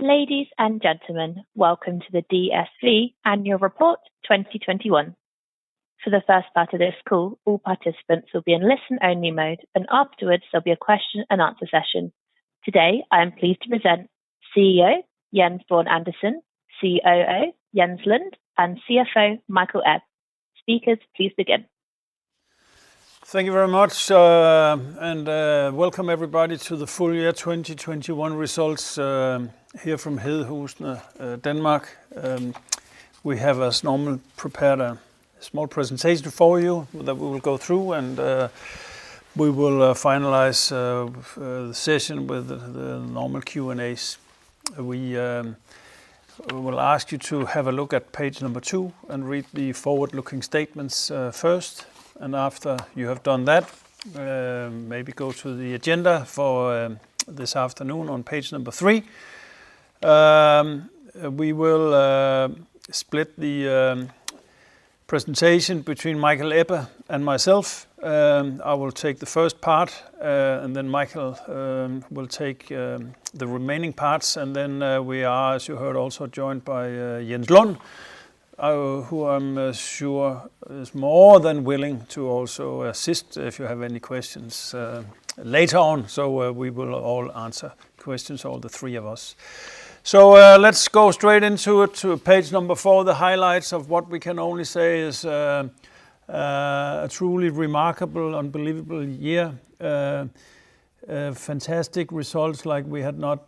Ladies and gentlemen, welcome to the DSV Annual Report 2021. For the first part of this call, all participants will be in listen-only mode, and afterwards there'll be a question and answer session. Today, I am pleased to present CEO Jens Bjørn Andersen, COO Jens H. Lund, and CFO Mikkel Ebbe. Speakers, please begin. Thank you very much, and welcome everybody to the full year 2021 results, here from Hedehusene, Denmark. We have, as normal, prepared a small presentation for you that we will go through, and we will finalize the session with the normal Q&As. We will ask you to have a look at page number two and read the forward-looking statements, first. After you have done that, maybe go to the agenda for this afternoon on page number three. We will split the presentation between Mikkel Ebbe and myself. I will take the first part, and then Mikkel will take the remaining parts. We are, as you heard, also joined by Jens H. Lund, who I'm sure is more than willing to also assist if you have any questions later on. We will all answer questions, all the three of us. Let's go straight into it, to page number four, the highlights of what we can only say is a truly remarkable, unbelievable year. Fantastic results like we had not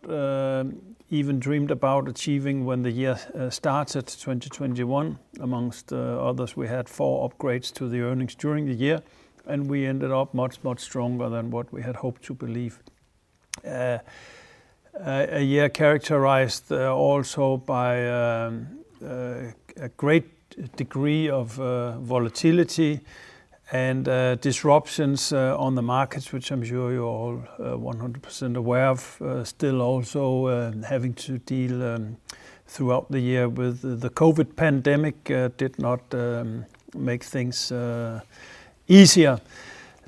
even dreamed about achieving when the year started, 2021. Among others, we had four upgrades to the earnings during the year, and we ended up much, much stronger than what we had hoped to believe. A year characterized also by a great degree of volatility and disruptions on the markets, which I'm sure you're all 100% aware of. Still also having to deal throughout the year with the COVID pandemic did not make things easier.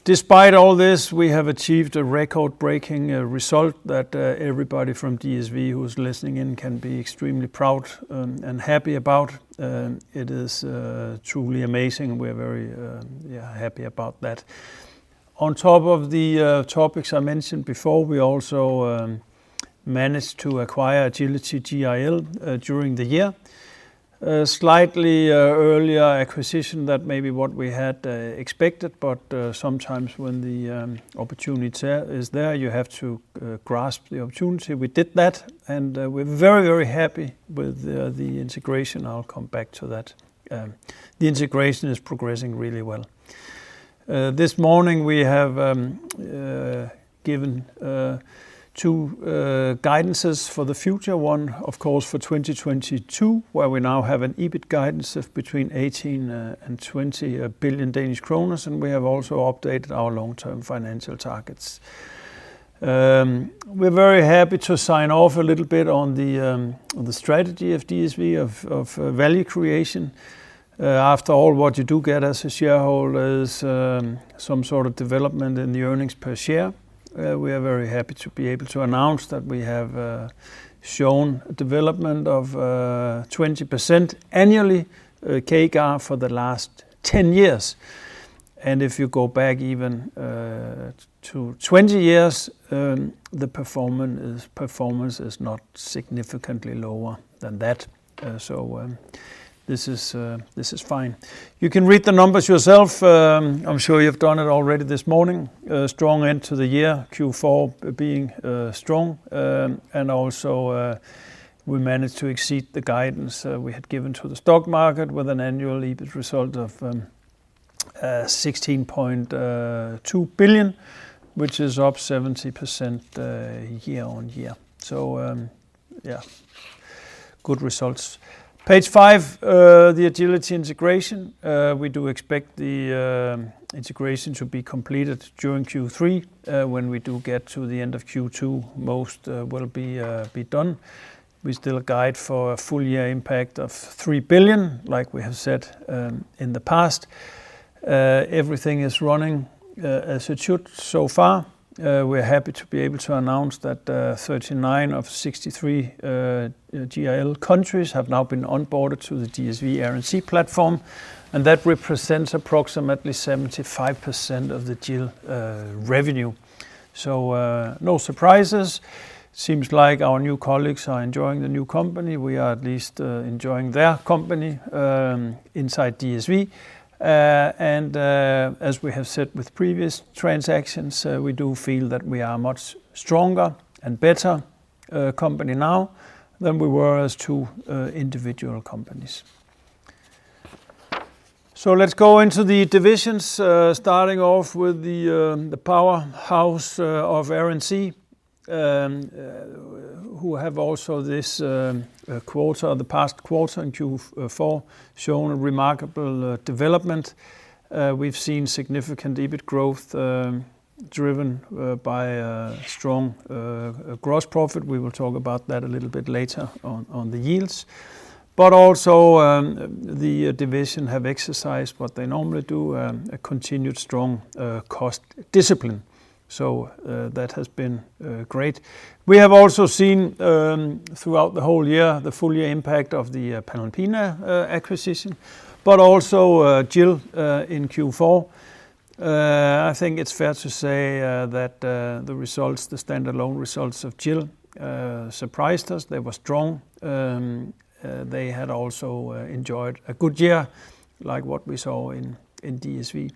Despite all this, we have achieved a record-breaking result that everybody from DSV who's listening in can be extremely proud and happy about. It is truly amazing. We're very happy about that. On top of the topics I mentioned before, we also managed to acquire Agility GIL during the year. A slightly earlier acquisition than maybe what we had expected, but sometimes when the opportunity is there, you have to grasp the opportunity. We did that, and we're very happy with the integration. I'll come back to that. The integration is progressing really well. This morning we have given two guidances for the future. One, of course, for 2022, where we now have an EBIT guidance of between 18 billion and 20 billion Danish kroner, and we have also updated our long-term financial targets. We're very happy to sign off a little bit on the strategy of DSV of value creation. After all, what you do get as a shareholder is some sort of development in the earnings per share. We are very happy to be able to announce that we have shown development of 20% annually CAGR for the last 10 years. If you go back even to 20 years, the performance is not significantly lower than that. This is fine. You can read the numbers yourself. I'm sure you've done it already this morning. A strong end to the year, Q4 being strong. We managed to exceed the guidance we had given to the stock market with an annual EBIT result of 16.2 billion, which is up 70% year-on-year. Yeah, good results. Page five, the Agility integration. We do expect the integration to be completed during Q3. When we do get to the end of Q2, most will be done. We still guide for a full year impact of 3 billion, like we have said, in the past. Everything is running as it should so far. We're happy to be able to announce that 39 of 63 GIL countries have now been onboarded to the DSV Air & Sea platform, and that represents approximately 75% of the GIL revenue. No surprises. Seems like our new colleagues are enjoying the new company. We are at least enjoying their company inside DSV. As we have said with previous transactions, we do feel that we are much stronger and better company now than we were as two individual companies. Let's go into the divisions, starting off with the powerhouse of Air & Sea, who have also this quarter, the past quarter in Q4 shown a remarkable development. We've seen significant EBIT growth, driven by a strong gross profit. We will talk about that a little bit later on the yields. The division have exercised what they normally do, a continued strong cost discipline. That has been great. We have also seen throughout the whole year, the full year impact of the Panalpina acquisition, but also, GIL in Q4. I think it's fair to say that the results, the standalone results of GIL, surprised us. They were strong. They had also enjoyed a good year, like what we saw in DSV.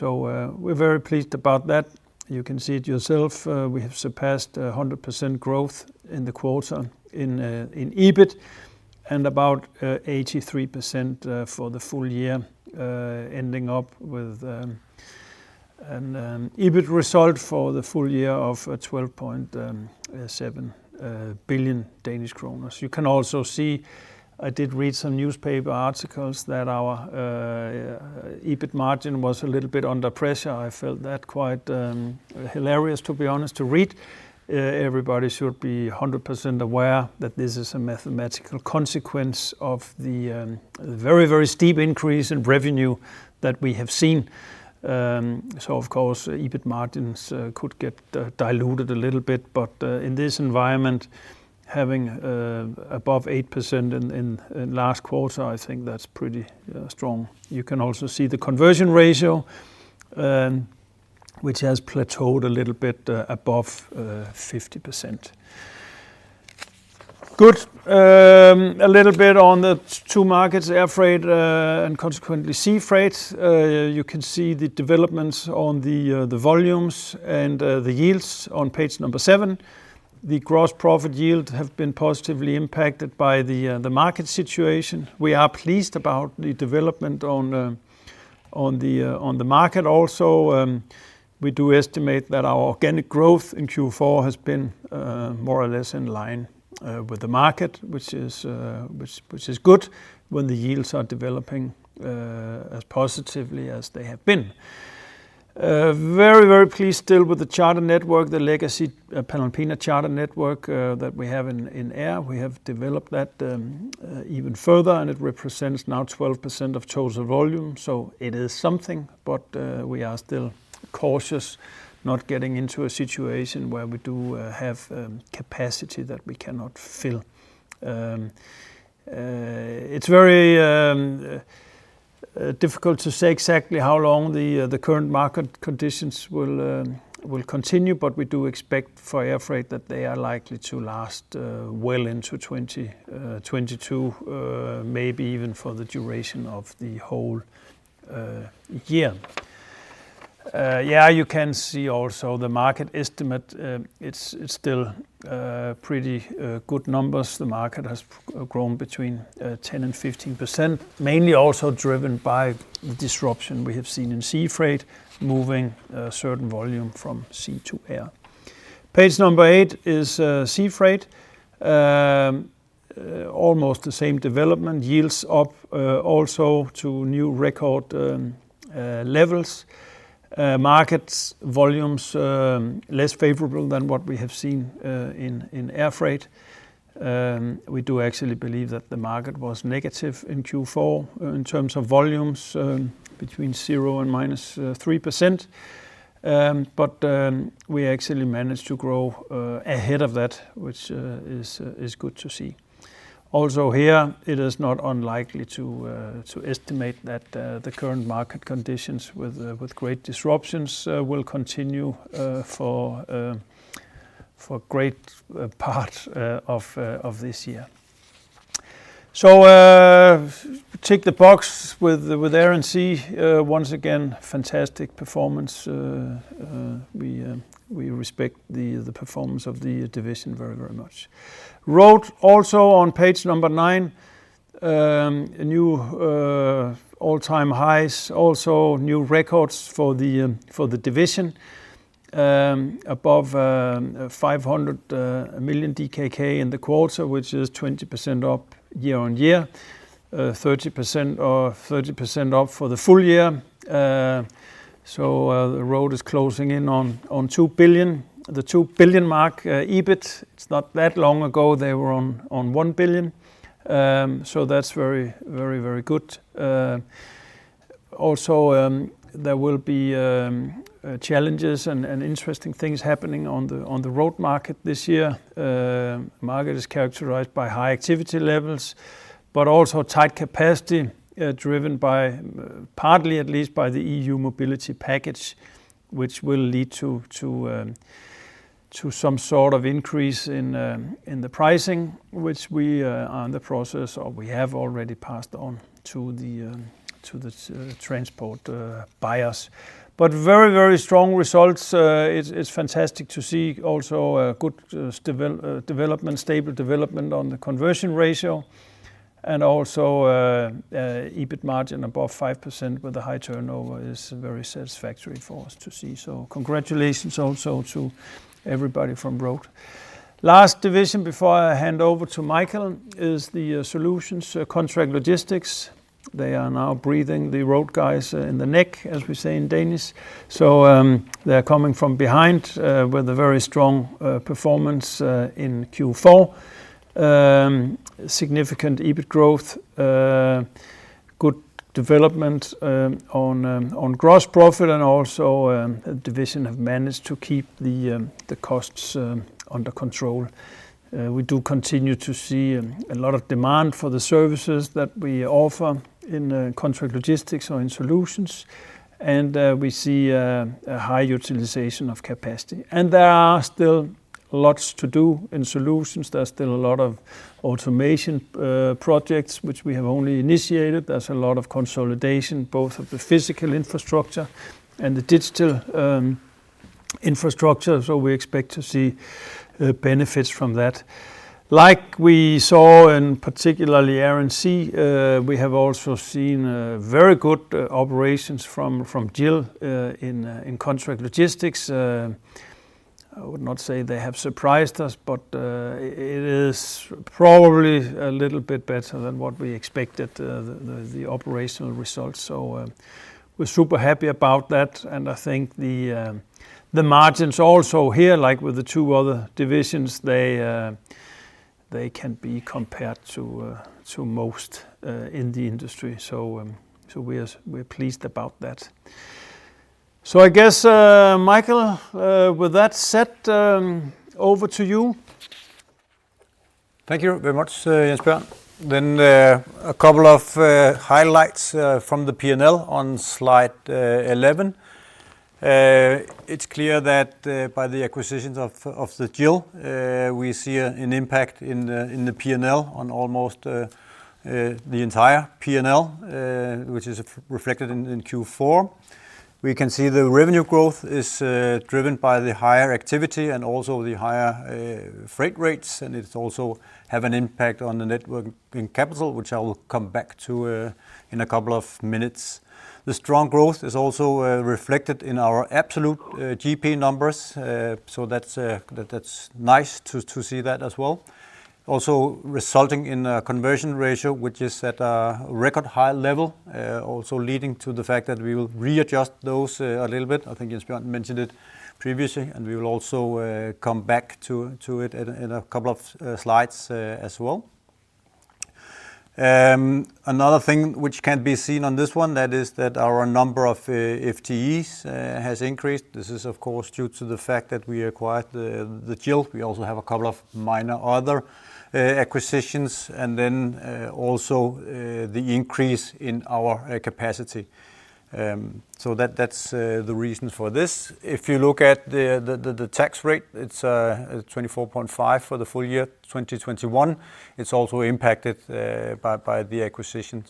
We're very pleased about that. You can see it yourself. We have surpassed 100% growth in the quarter in EBIT and about 83% for the full year, ending up with an EBIT result for the full year of 12.7 billion Danish kroner. You can also see I did read some newspaper articles that our EBIT margin was a little bit under pressure. I felt that quite hilarious, to be honest, to read. Everybody should be 100% aware that this is a mathematical consequence of the very, very steep increase in revenue that we have seen. Of course, EBIT margins could get diluted a little bit. In this environment, having above 8% in last quarter, I think that's pretty strong. You can also see the conversion ratio, which has plateaued a little bit above 50%. Good. A little bit on the two markets, air freight, and consequently sea freight. You can see the developments on the volumes and the yields on page seven. The gross profit yield have been positively impacted by the market situation. We are pleased about the development on the market also. We do estimate that our organic growth in Q4 has been more or less in line with the market, which is good when the yields are developing as positively as they have been. We are very, very pleased still with the charter network, the legacy Panalpina charter network, that we have in air. We have developed that even further, and it represents now 12% of total volume. It is something, but we are still cautious, not getting into a situation where we do have capacity that we cannot fill. It's very difficult to say exactly how long the current market conditions will continue, but we do expect for air freight that they are likely to last well into 2022, maybe even for the duration of the whole year. Yeah, you can see also the market estimate. It's still pretty good numbers. The market has grown between 10% and 15%, mainly also driven by the disruption we have seen in sea freight, moving certain volume from sea to air. Page number 8 is sea freight. Almost the same development. Yields up also to new record levels. Market volumes less favorable than what we have seen in air freight. We do actually believe that the market was negative in Q4 in terms of volumes between 0% and -3%. But we actually managed to grow ahead of that, which is good to see. Also here, it is not unlikely to estimate that the current market conditions with great disruptions will continue for great part of this year. Tick the box with Air & Sea. Once again, fantastic performance. We respect the performance of the division very much. Road also on page nine, new all-time highs, also new records for the division, above 500 million DKK in the quarter, which is 20% up year-on-year, 30% up for the full year. The Road is closing in on 2 billion, the 2 billion mark, EBIT. It's not that long ago they were on 1 billion. That's very good. Also, there will be challenges and interesting things happening on the Road market this year. Market is characterized by high activity levels, but also tight capacity, driven by, partly at least by the EU Mobility Package, which will lead to some sort of increase in the pricing, which we are in the process or we have already passed on to the transport buyers. Very, very strong results. It's fantastic to see also a good development, stable development on the conversion ratio and also EBIT margin above 5% with a high turnover is very satisfactory for us to see. Congratulations also to everybody from Road. Last division before I hand over to Michael is the Solutions, contract logistics. They are now breathing the road guys in the neck, as we say in Danish. They're coming from behind with a very strong performance in Q4. Significant EBIT growth, good development on gross profit and also, the division have managed to keep the costs under control. We do continue to see a lot of demand for the services that we offer in contract logistics or in solutions. We see a high utilization of capacity. There are still lots to do in solutions. There's still a lot of automation projects which we have only initiated. There's a lot of consolidation, both of the physical infrastructure and the digital infrastructure, so we expect to see benefits from that. Like we saw in particularly Air & Sea, we have also seen very good operations from GIL in Contract Logistics. I would not say they have surprised us, but it is probably a little bit better than what we expected, the operational results. We're super happy about that, and I think the margins also here, like with the two other divisions, they can be compared to most in the industry. We're pleased about that. I guess, Mikkel, with that said, over to you. Thank you very much, Jens Bjorn. A couple of highlights from the P&L on slide 11. It's clear that by the acquisitions of the GIL we see an impact in the P&L on almost the entire P&L which is reflected in Q4. We can see the revenue growth is driven by the higher activity and also the higher freight rates, and it also have an impact on the net working capital, which I will come back to in a couple of minutes. The strong growth is also reflected in our absolute GP numbers, so that's nice to see that as well. Resulting in a conversion ratio which is at a record high level, also leading to the fact that we will readjust those a little bit. I think Jens Bjørn mentioned it previously, and we will also come back to it in a couple of slides as well. Another thing which can be seen on this one is that our number of FTEs has increased. This is of course due to the fact that we acquired the GIL. We also have a couple of minor other acquisitions, and then also the increase in our capacity. That's the reason for this. If you look at the tax rate, it's 24.5% for the full year 2021. It's also impacted by the acquisition.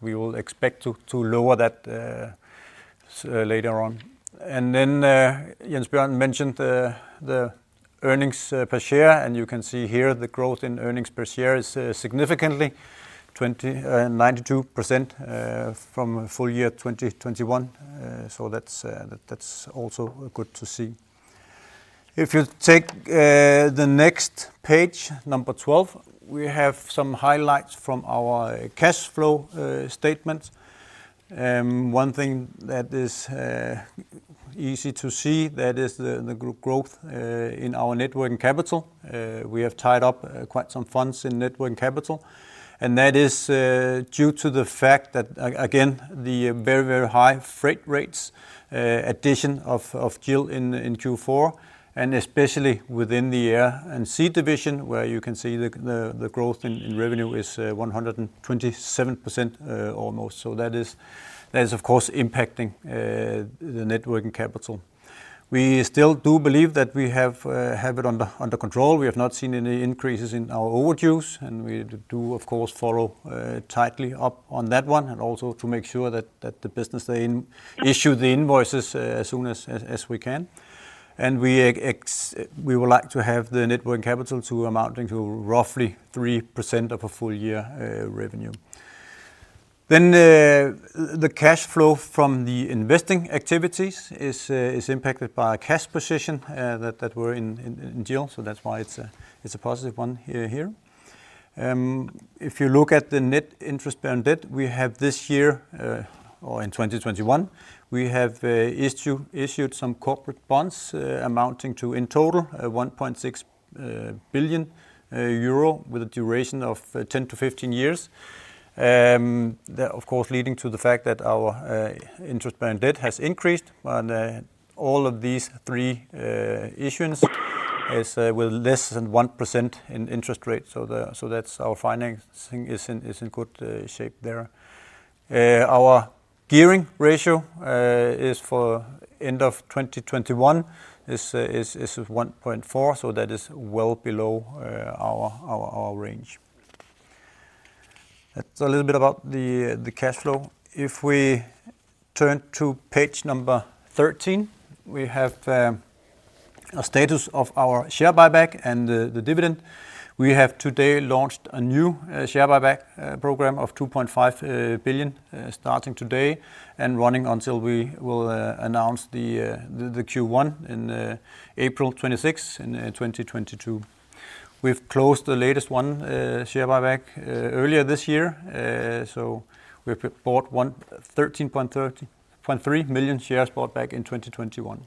We will expect to lower that later on. Jens Bjørn mentioned the earnings per share, and you can see here the growth in earnings per share is significantly 92% from full year 2021. That's also good to see. If you take the next page, 12, we have some highlights from our cash flow statement. One thing that is easy to see is the growth in our net working capital. We have tied up quite some funds in net working capital, and that is due to the fact that again, the very high freight rates, addition of GIL in Q4, and especially within the Air & Sea division, where you can see the growth in revenue is 127%, almost. That is of course impacting the net working capital. We still do believe that we have it under control. We have not seen any increases in our overages, and we do of course follow tightly up on that one, and also to make sure that the business they issue the invoices as soon as we can. We would like to have the net working capital amounting to roughly 3% of a full year revenue. The cash flow from the investing activities is impacted by a cash position that were in GIL, so that's why it's a positive one here. If you look at the net interest bearing debt, we have this year or in 2021 we have issued some corporate bonds amounting to in total 1.6 billion euro with a duration of 10-15 years. That of course leading to the fact that our interest bearing debt has increased. All of these three issuance is with less than 1% in interest rate. That's our financing is in good shape there. Our gearing ratio is for end of 2021 is 1.4, so that is well below our range. That's a little bit about the cash flow. If we turn to page 13, we have a status of our share buyback and the dividend. We have today launched a new share buyback program of 2.5 billion starting today and running until we will announce the Q1 on April 26, 2022. We've closed the latest one share buyback earlier this year. So we've bought back 113.3 million shares in 2021.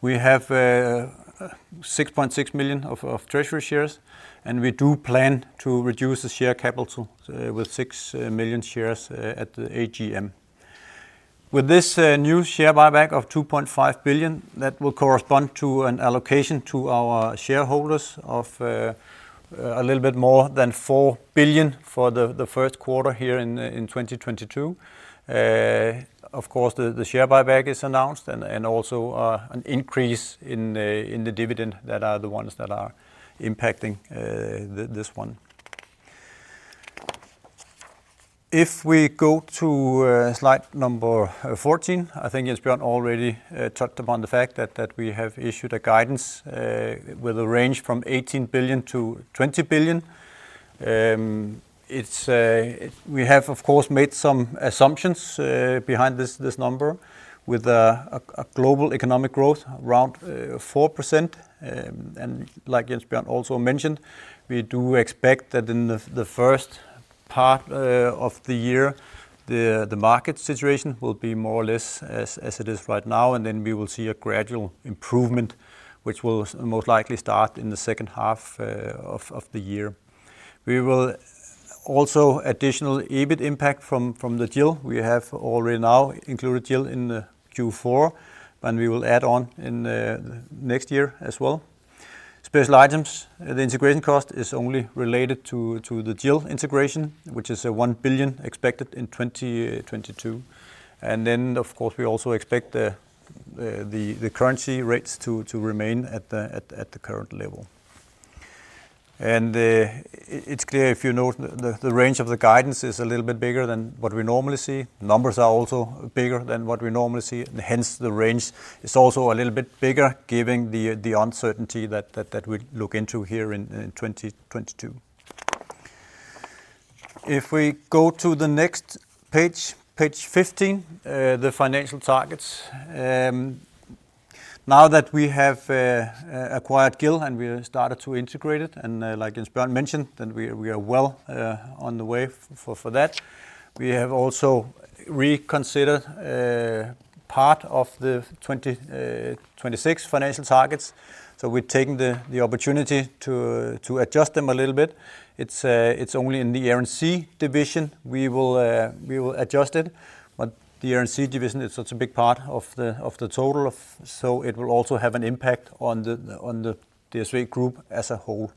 We have 6.6 million treasury shares, and we plan to reduce the share capital with 6 million shares at the AGM. With this new share buyback of 2.5 billion, that will correspond to an allocation to our shareholders of a little bit more than 4 billion for the Q1 here in 2022. Of course, the share buyback is announced and also an increase in the dividend that are the ones that are impacting this one. If we go to slide number 14, I think Jens Bjørn Andersen already touched upon the fact that we have issued a guidance with a range from 18 billion-20 billion. It's We have, of course, made some assumptions behind this number with a global economic growth around 4%. Like Jens Bjørn also mentioned, we do expect that in the first part of the year, the market situation will be more or less as it is right now, and then we will see a gradual improvement, which will most likely start in the second half of the year. We will also additional EBIT impact from the GIL. We have already now included GIL in the Q4, and we will add on in next year as well. Special items, the integration cost is only related to the GIL integration, which is 1 billion expected in 2022. Of course, we also expect the currency rates to remain at the current level. It's clear if you note the range of the guidance is a little bit bigger than what we normally see. Numbers are also bigger than what we normally see, and hence the range is also a little bit bigger given the uncertainty that we look into here in 2022. If we go to the next page 15, the financial targets. Now that we have acquired GIL and we have started to integrate it, and like Jens Bjørn mentioned, then we are well on the way for that. We have also reconsidered part of the 2026 financial targets, so we're taking the opportunity to adjust them a little bit. It's only in the Air & Sea division we will adjust it. The Air & Sea division is such a big part of the total. It will also have an impact on the DSV Group as a whole.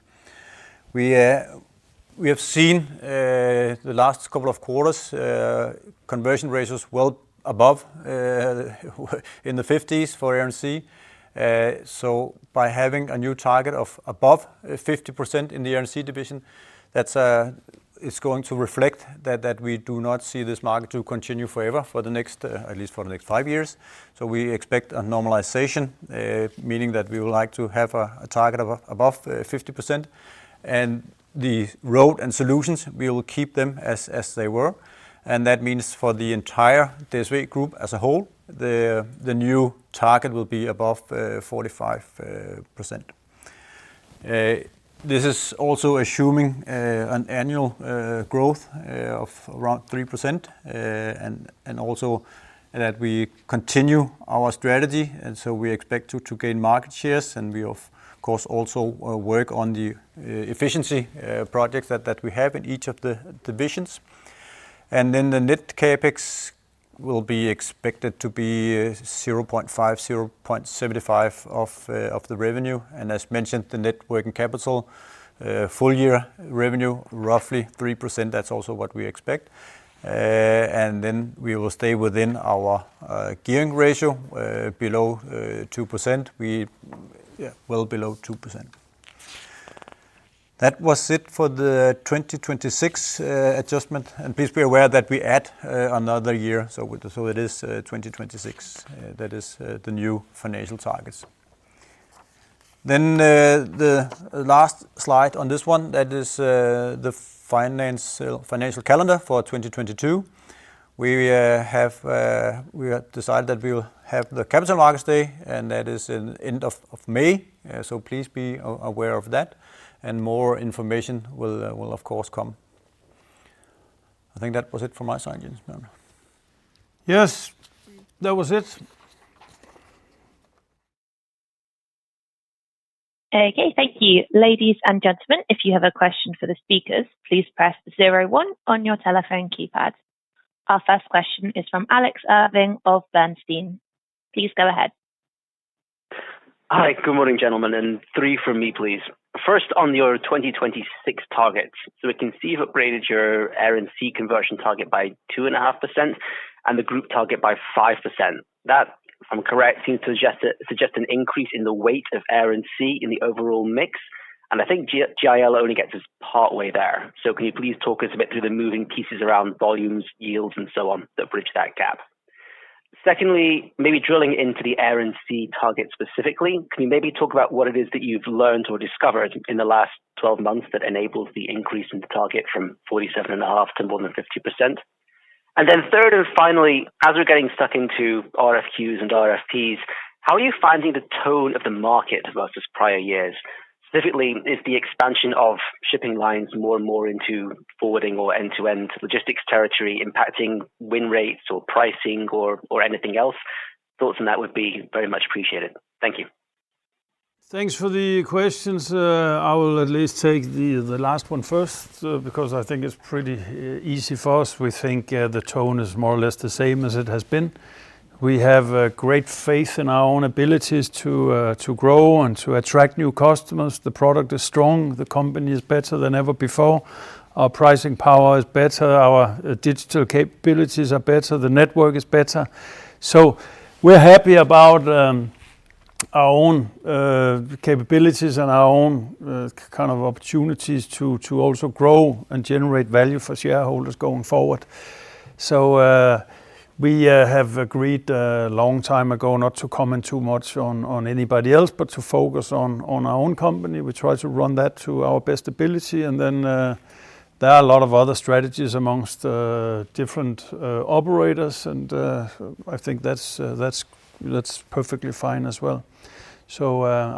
We have seen the last couple of quarters conversion ratios well above in the 50s for Air & Sea. By having a new target of above 50% in the Air & Sea division, that's. It's going to reflect that we do not see this market to continue forever at least for the next five years. We expect a normalization, meaning that we would like to have a target of above 50%. Road and Solutions, we will keep them as they were, and that means for the entire DSV group as a whole, the new target will be above 45%. This is also assuming an annual growth of around 3%, and also that we continue our strategy, so we expect to gain market shares, and we of course also work on the efficiency projects that we have in each of the divisions. Then the net CapEx will be expected to be 0.5-0.75 of the revenue. As mentioned, the net working capital to full year revenue, roughly 3%. That's also what we expect. We will stay within our gearing ratio below 2%. Well below 2%. That was it for the 2026 adjustment. Please be aware that we add another year, so it is 2026. That is the new financial targets. The last slide on this one, that is the financial calendar for 2022. We have decided that we will have the Capital Markets Day, and that is at the end of May, so please be aware of that. More information will of course come. I think that was it from my side, Jens Bjørn. Yes. That was it. Okay. Thank you. Ladies and gentlemen, if you have a question for the speakers, please press zero-one on your telephone keypad. Our first question is from Alex Irving of Bernstein. Please go ahead. Hi. Good morning, gentlemen. Three from me, please. First, on your 2026 targets. I can see you've upgraded your Air & Sea conversion target by 2.5%, and the group target by 5%. That, if I'm correct, seems to suggest an increase in the weight of Air & Sea in the overall mix. I think GIL only gets us partway there. Can you please talk us a bit through the moving pieces around volumes, yields, and so on that bridge that gap? Secondly, maybe drilling into the Air & Sea target specifically, can you maybe talk about what it is that you've learned or discovered in the last 12 months that enables the increase in the target from 47.5 to more than 50%? Third and finally, as we're getting stuck into RFQs and RFPs, how are you finding the tone of the market versus prior years? Specifically, is the expansion of shipping lines more and more into forwarding or end-to-end logistics territory impacting win rates or pricing or anything else? Thoughts on that would be very much appreciated. Thank you. Thanks for the questions. I will at least take the last one first because I think it's pretty easy for us. We think the tone is more or less the same as it has been. We have a great faith in our own abilities to grow and to attract new customers. The product is strong. The company is better than ever before. Our pricing power is better. Our digital capabilities are better. The network is better. We're happy about our own capabilities and our own kind of opportunities to also grow and generate value for shareholders going forward. We have agreed a long time ago not to comment too much on anybody else, but to focus on our own company. We try to run that to our best ability. There are a lot of other strategies amongst different operators and I think that's perfectly fine as well.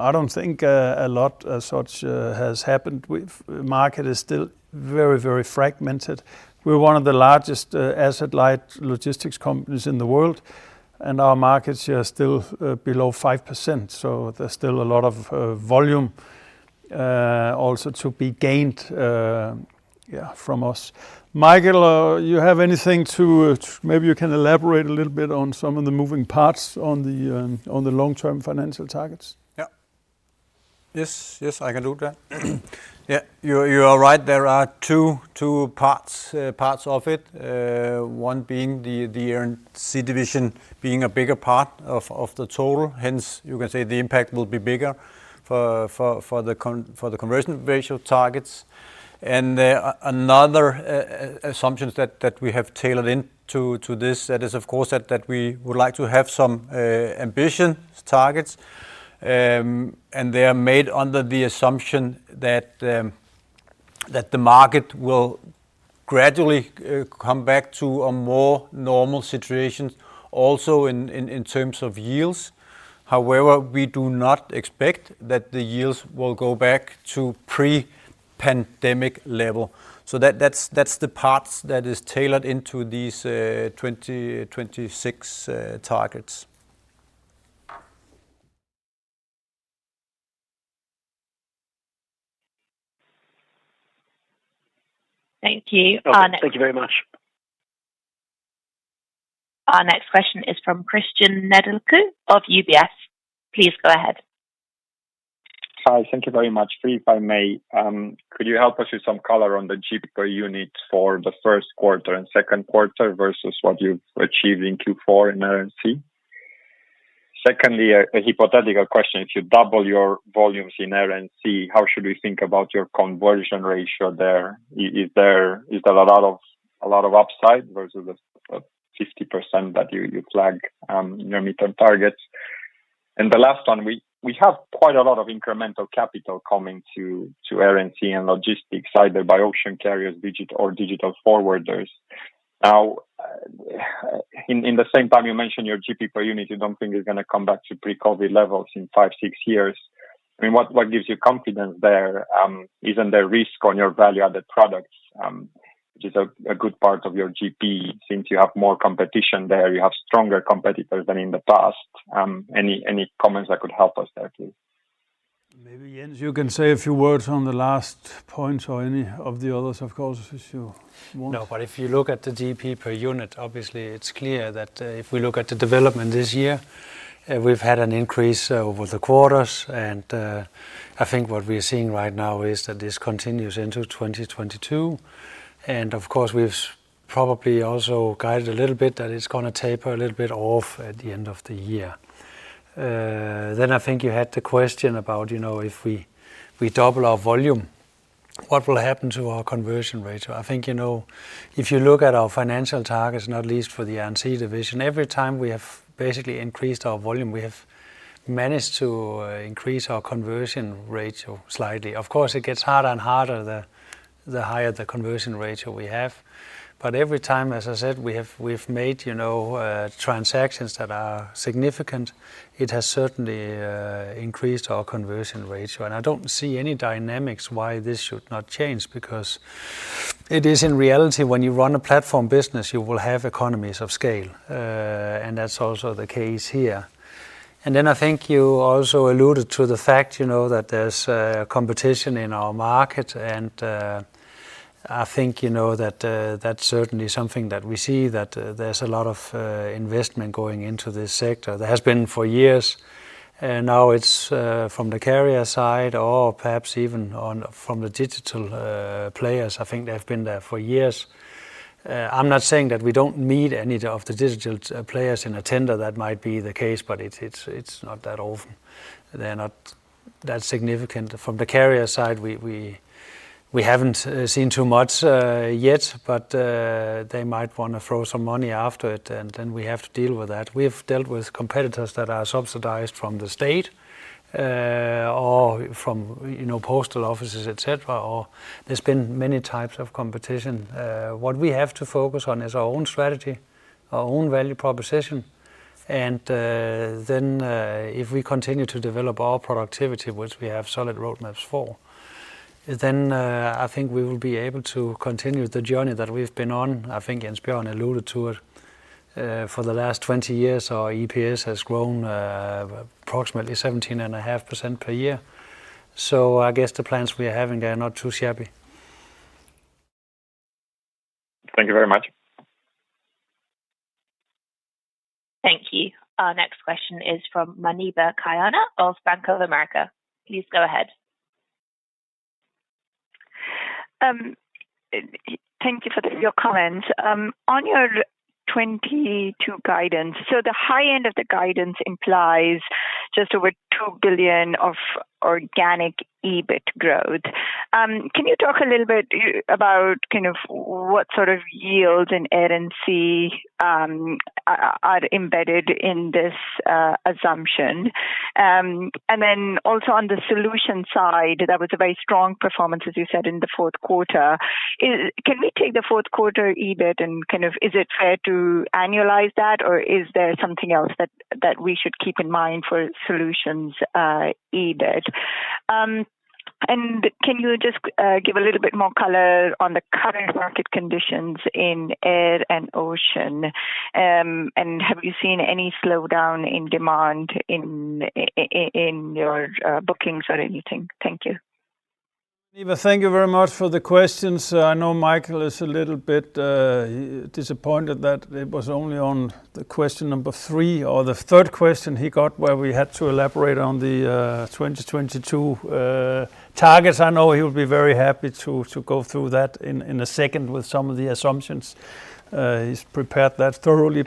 I don't think a lot as such has happened. Market is still very, very fragmented. We're one of the largest asset-light logistics companies in the world, and our market share is still below 5%, so there's still a lot of volume also to be gained from us. Mikkel, you have anything to add. Maybe you can elaborate a little bit on some of the moving parts on the long-term financial targets. Yeah. Yes, yes, I can do that. Yeah, you're right, there are two parts of it. One being the Air & Sea division being a bigger part of the total. Hence, you can say the impact will be bigger for the conversion ratio targets. Another assumption that we have tailored into this that is, of course, that we would like to have some ambitious targets. They are made under the assumption that the market will gradually come back to a more normal situation also in terms of yields. However, we do not expect that the yields will go back to pre-pandemic level. That's the parts that is tailored into these 2026 targets. Thank you. Our next Okay. Thank you very much. Our next question is from Cristian Nedelcu of UBS. Please go ahead. Hi. Thank you very much. If I may, could you help us with some color on the GP per unit for the Q1 and Q2 versus what you've achieved in Q4 in Air & Sea? Secondly, a hypothetical question. If you double your volumes in Air & Sea, how should we think about your conversion ratio there? Is there a lot of upside versus the 50% that you flag, near-midterm targets? And the last one, we have quite a lot of incremental capital coming to Air & Sea and Logistics, either by ocean carriers, digital forwarders. Now, in the same time, you mentioned your GP per unit you don't think is gonna come back to pre-COVID levels in five, six years. I mean, what gives you confidence there? Isn't there risk on your value-added products, which is a good part of your GP since you have more competition there, you have stronger competitors than in the past? Any comments that could help us there, please? Maybe, Jens, you can say a few words on the last points or any of the others, of course, if you want. No, but if you look at the GP per unit, obviously it's clear that if we look at the development this year, we've had an increase over the quarters and I think what we're seeing right now is that this continues into 2022. Of course, we've probably also guided a little bit that it's gonna taper a little bit off at the end of the year. I think you had the question about, you know, if we double our volume, what will happen to our conversion ratio? I think, you know, if you look at our financial targets, not least for the Air & Sea division, every time we have basically increased our volume, we have managed to increase our conversion ratio slightly. Of course, it gets harder and harder the higher the conversion ratio we have. Every time, as I said, we've made, you know, transactions that are significant, it has certainly increased our conversion ratio. I don't see any dynamics why this should not change because it is in reality, when you run a platform business, you will have economies of scale. That's also the case here. Then I think you also alluded to the fact, you know, that there's competition in our market and I think, you know, that that's certainly something that we see, that there's a lot of investment going into this sector. There has been for years, and now it's from the carrier side or perhaps even on from the digital players. I think they've been there for years. I'm not saying that we don't need any of the digital players in a tender. That might be the case, but it's not that often. They're not that significant. From the carrier side, we haven't seen too much yet, but they might wanna throw some money after it, and then we have to deal with that. We've dealt with competitors that are subsidized from the state or from, you know, postal offices, et cetera, or there's been many types of competition. What we have to focus on is our own strategy, our own value proposition, and then if we continue to develop our productivity, which we have solid roadmaps for, then I think we will be able to continue the journey that we've been on. I think Jens Bjørn alluded to it. For the last 20 years, our EPS has grown approximately 17.5% per year. I guess the plans we are having are not too shabby. Thank you very much. Thank you. Our next question is from Muneeba Kayani of Bank of America. Please go ahead. Thank you for your comments. On your 2022 guidance, the high end of the guidance implies just over 2 billion of organic EBIT growth. Can you talk a little bit about kind of what sort of yields in Air & Sea are embedded in this assumption? And then also on the Solutions side, that was a very strong performance, as you said in the Q4. Can we take the Q4 EBIT and kind of is it fair to annualize that, or is there something else that we should keep in mind for Solutions EBIT? Can you just give a little bit more color on the current market conditions in Air & Sea? Have you seen any slowdown in demand in your bookings or anything? Thank you. Muneeba, thank you very much for the questions. I know Mikkel is a little bit disappointed that it was only on the question number three or the third question he got where we had to elaborate on the 2022 targets. I know he would be very happy to go through that in a second with some of the assumptions. He's prepared that thoroughly.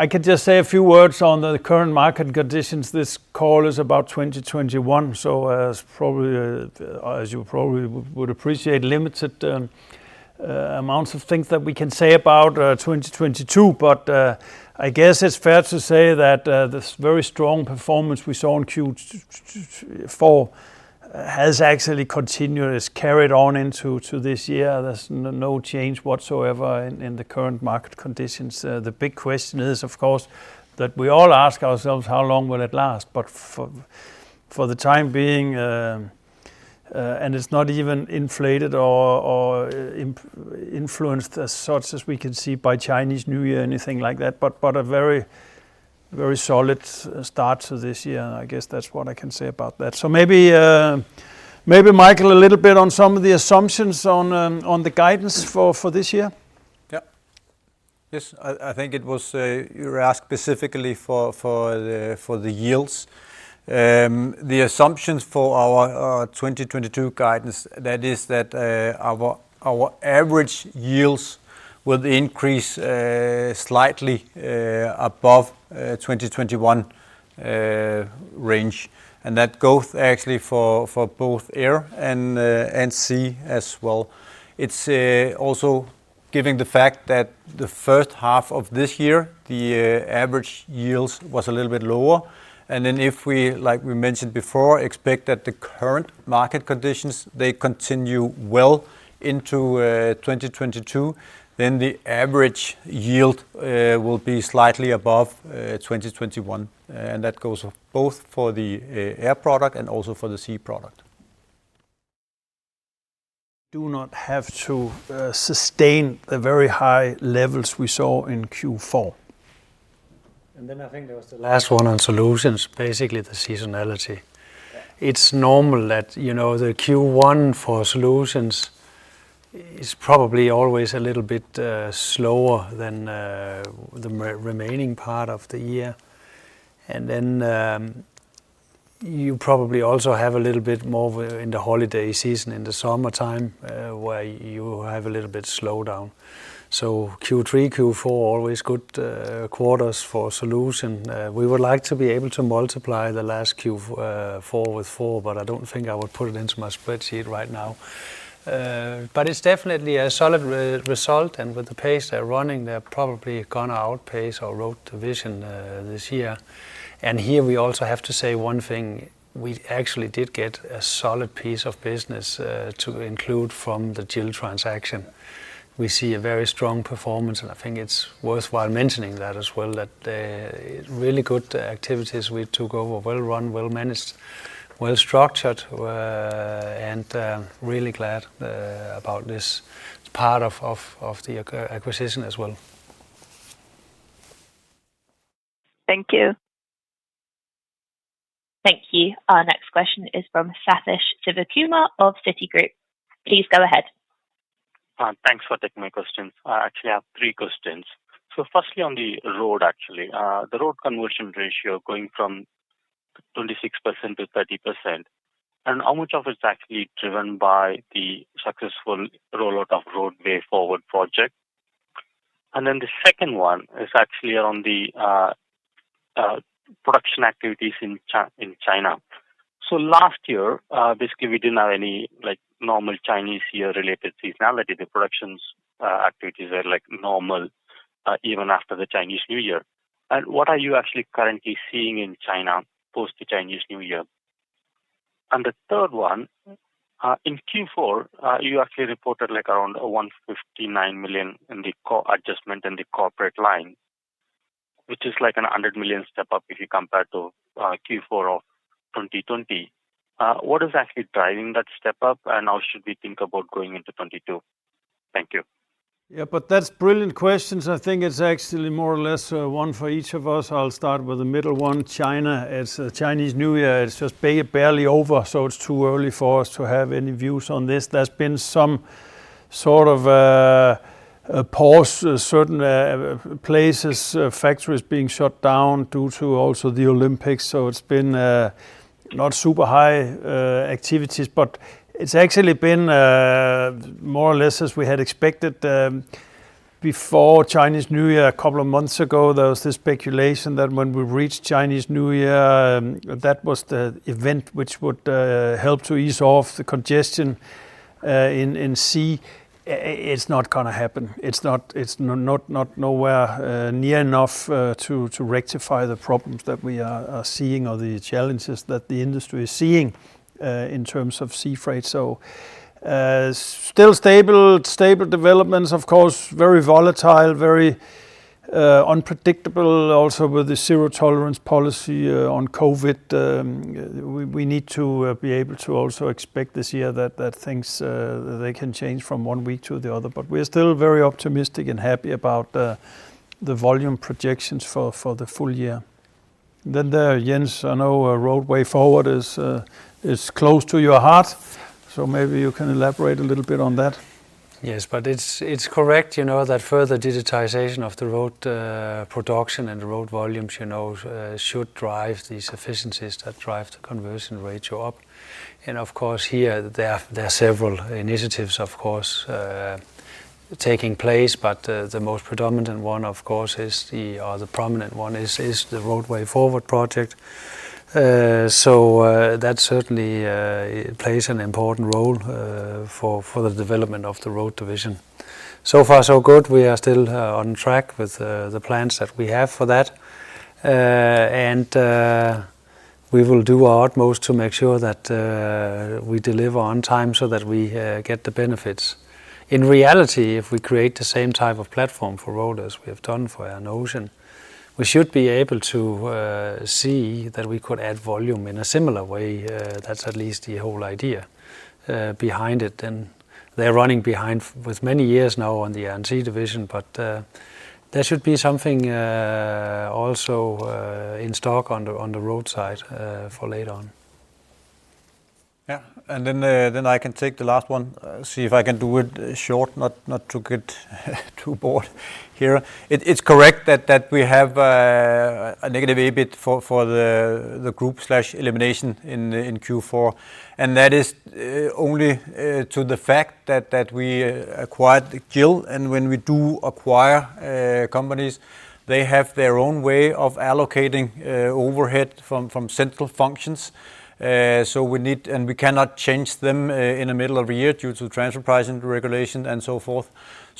I could just say a few words on the current market conditions. This call is about 2021, so as you probably would appreciate, limited amounts of things that we can say about 2022. I guess it's fair to say that this very strong performance we saw in Q4 has actually continued. It's carried on into this year. There's no change whatsoever in the current market conditions. The big question is, of course, that we all ask ourselves, how long will it last? But for the time being, and it's not even inflated or influenced as such as we can see by Chinese New Year, anything like that, but a very solid start to this year. I guess that's what I can say about that. Maybe Mikkel, a little bit on some of the assumptions on the guidance for this year. Yeah. Yes. I think it was you were asked specifically for the yields. The assumptions for our 2022 guidance, that is that our average yields will increase slightly above 2021 range. That goes actually for both Air & Sea as well. It's also given the fact that the first half of this year, the average yields was a little bit lower. If we, like we mentioned before, expect that the current market conditions they continue well into 2022, then the average yield will be slightly above 2021. That goes both for the Air product and also for the Sea product. We do not have to sustain the very high levels we saw in Q4. I think there was the last one on Solutions, basically the seasonality. It's normal that, you know, the Q1 for Solutions is probably always a little bit slower than the remaining part of the year. You probably also have a little bit more in the holiday season, in the summertime, where you have a little bit slowdown. Q3, Q4, always good quarters for Solutions. We would like to be able to multiply the last Q4 with four, but I don't think I would put it into my spreadsheet right now. It's definitely a solid result, and with the pace they're running, they're probably gonna outpace our road division this year. Here we also have to say one thing. We actually did get a solid piece of business to include from the GIL transaction. We see a very strong performance, and I think it's worthwhile mentioning that as well, that really good activities we took over, well run, well managed, well structured, and really glad about this part of the acquisition as well. Thank you. Thank you. Our next question is from Sathish Sivakumar of Citigroup. Please go ahead. Thanks for taking my questions. I actually have three questions. Firstly, on the road, actually. The road conversion ratio going from 26% to 30%, and how much of it is actually driven by the successful rollout of Roadway Forward project? The second one is actually on the production activities in China. Last year, basically we didn't have any normal Chinese New Year related seasonality. The production activities were, like, normal even after the Chinese New Year. What are you actually currently seeing in China post the Chinese New Year? The third one, in Q4, you actually reported, like, around 159 million in the cost adjustment in the corporate line, which is, like, a 100 million step up if you compare to Q4 of 2020. What is actually driving that step up, and how should we think about going into 2022? Thank you. Yeah, that's brilliant questions. I think it's actually more or less one for each of us. I'll start with the middle one. China, it's Chinese New Year is just barely over, so it's too early for us to have any views on this. There's been some sort of a pause, certain places, factories being shut down due to also the Olympics. It's been not super high activities, but it's actually been more or less as we had expected. Before Chinese New Year, a couple of months ago, there was this speculation that when we reach Chinese New Year, that was the event which would help to ease off the congestion in sea. It's not gonna happen. It's not. It's nowhere near enough to rectify the problems that we are seeing or the challenges that the industry is seeing in terms of sea freight. Still stable developments, of course, very volatile, unpredictable also with the zero tolerance policy on COVID. We need to be able to also expect this year that things they can change from one week to the other. We are still very optimistic and happy about the volume projections for the full year. Jens, I know Roadway Forward is close to your heart, so maybe you can elaborate a little bit on that. Yes, it's correct, you know, that further digitization of the road production and the road volumes, you know, should drive these efficiencies that drive the conversion ratio up. Of course, here, there are several initiatives, of course, taking place, but the prominent one is the Roadway Forward project. That certainly plays an important role for the development of the Road Division. So far so good. We are still on track with the plans that we have for that. We will do our utmost to make sure that we deliver on time so that we get the benefits. In reality, if we create the same type of platform for Road as we have done for our ocean, we should be able to see that we could add volume in a similar way. That's at least the whole idea behind it. They're running behind with many years now on the Air & Sea division. There should be something also in store on the Road side for later on. Yeah. I can take the last one, see if I can do it short, not to get too bored here. It's correct that we have a negative EBIT for the group/elimination in Q4, and that is only to the fact that we acquired GIL. When we do acquire companies, they have their own way of allocating overhead from central functions. We cannot change them in the middle of a year due to transfer pricing regulation and so forth.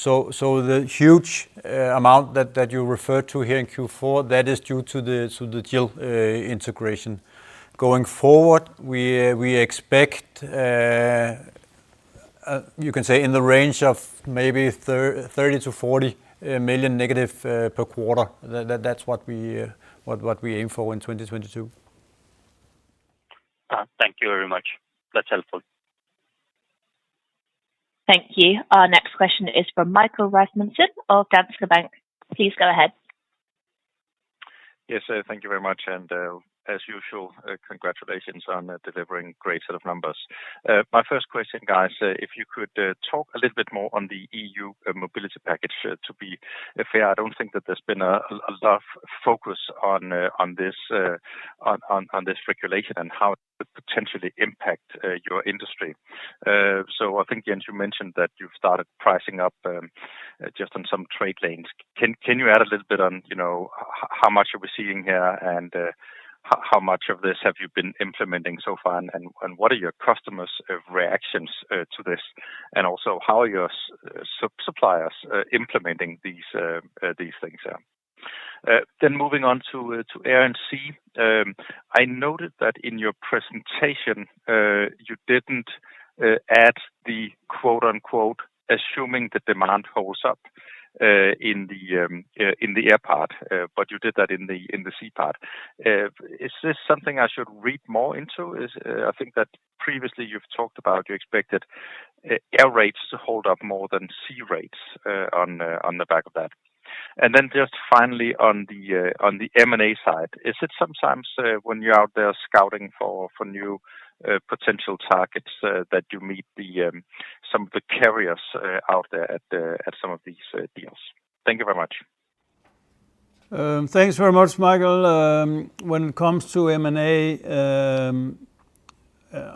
The huge amount that you referred to here in Q4, that is due to the GIL integration. Going forward, we expect you can say in the range of maybe -30 million--40 million per quarter. That's what we aim for in 2022. Thank you very much. That's helpful. Thank you. Our next question is from Mikkel Kousgaard Rasmussen of Danske Bank. Please go ahead. Yes, thank you very much. As usual, congratulations on delivering great set of numbers. My first question, guys, if you could talk a little bit more on the EU Mobility Package. To be fair, I don't think that there's been enough focus on this regulation and how it could potentially impact your industry. I think, Jens, you mentioned that you've started pricing up just on some trade lanes. Can you add a little bit on, you know, how much are we seeing here, and how much of this have you been implementing so far, and what are your customers' reactions to this? Also, how are your suppliers implementing these things here? Moving on to Air & Sea. I noted that in your presentation, you didn't add the quote-unquote, "assuming the demand holds up," in the air part, but you did that in the sea part. Is this something I should read more into? I think that previously you've talked about you expected air rates to hold up more than sea rates on the back of that. Just finally on the M&A side, is it sometimes when you're out there scouting for new potential targets that you meet some of the carriers out there at some of these deals? Thank you very much. Thanks very much, Mikkel. When it comes to M&A,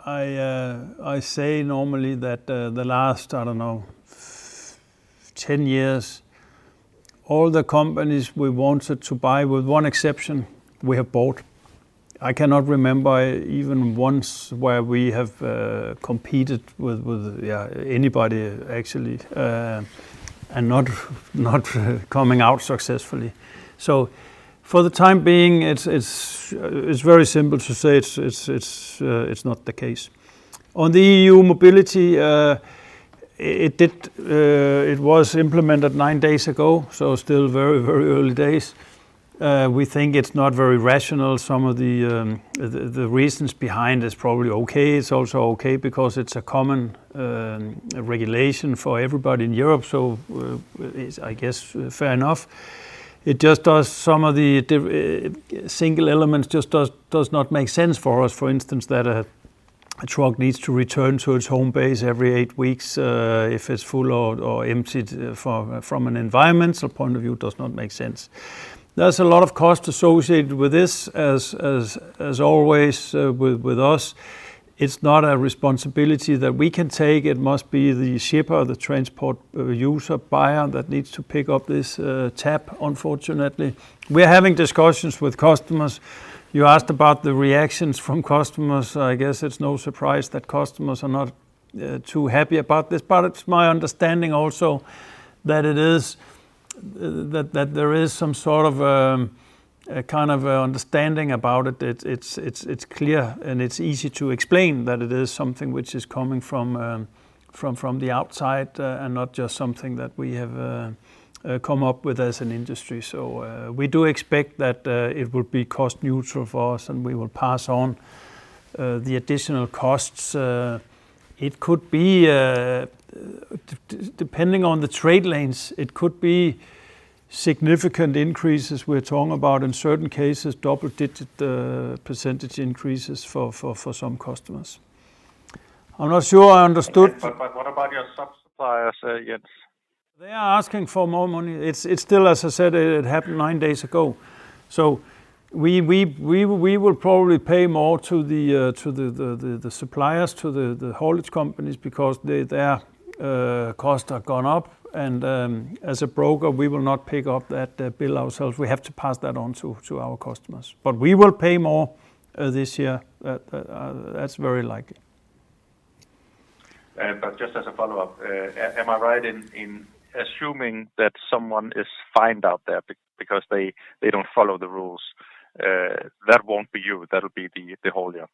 I say normally that the last, I don't know, 10 years, all the companies we wanted to buy, with one exception, we have bought. I cannot remember even once where we have competed with, yeah, anybody actually and not coming out successfully. For the time being, it's very simple to say it's not the case. On the EU mobility, it was implemented 9 days ago, so still very early days. We think it's not very rational. Some of the reasons behind is probably okay. It's also okay because it's a common regulation for everybody in Europe, so it's, I guess, fair enough. It just does some of the single elements just does not make sense for us. For instance, that a truck needs to return to its home base every 8 weeks, if it's full or empty, from an environmental point of view does not make sense. There's a lot of cost associated with this, as always, with us. It's not a responsibility that we can take. It must be the shipper or the transport user buyer that needs to pick up this tab, unfortunately. We're having discussions with customers. You asked about the reactions from customers. I guess it's no surprise that customers are not too happy about this. It's my understanding also that it is that there is some sort of a kind of understanding about it. It's clear and it's easy to explain that it is something which is coming from the outside and not just something that we have come up with as an industry. We do expect that it will be cost neutral for us, and we will pass on the additional costs. It could be depending on the trade lanes, it could be significant increases. We're talking about in certain cases, double-digit percentage increases for some customers. I'm not sure I understood What about your sub-suppliers, Jens? They are asking for more money. It's still, as I said, it happened nine days ago. We will probably pay more to the suppliers to the haulage companies because their costs have gone up. As a broker, we will not pick up that bill ourselves. We have to pass that on to our customers. We will pay more this year. That's very likely. Just as a follow-up, am I right in assuming that someone is fined out there because they don't follow the rules? That won't be you, that'll be the hauler.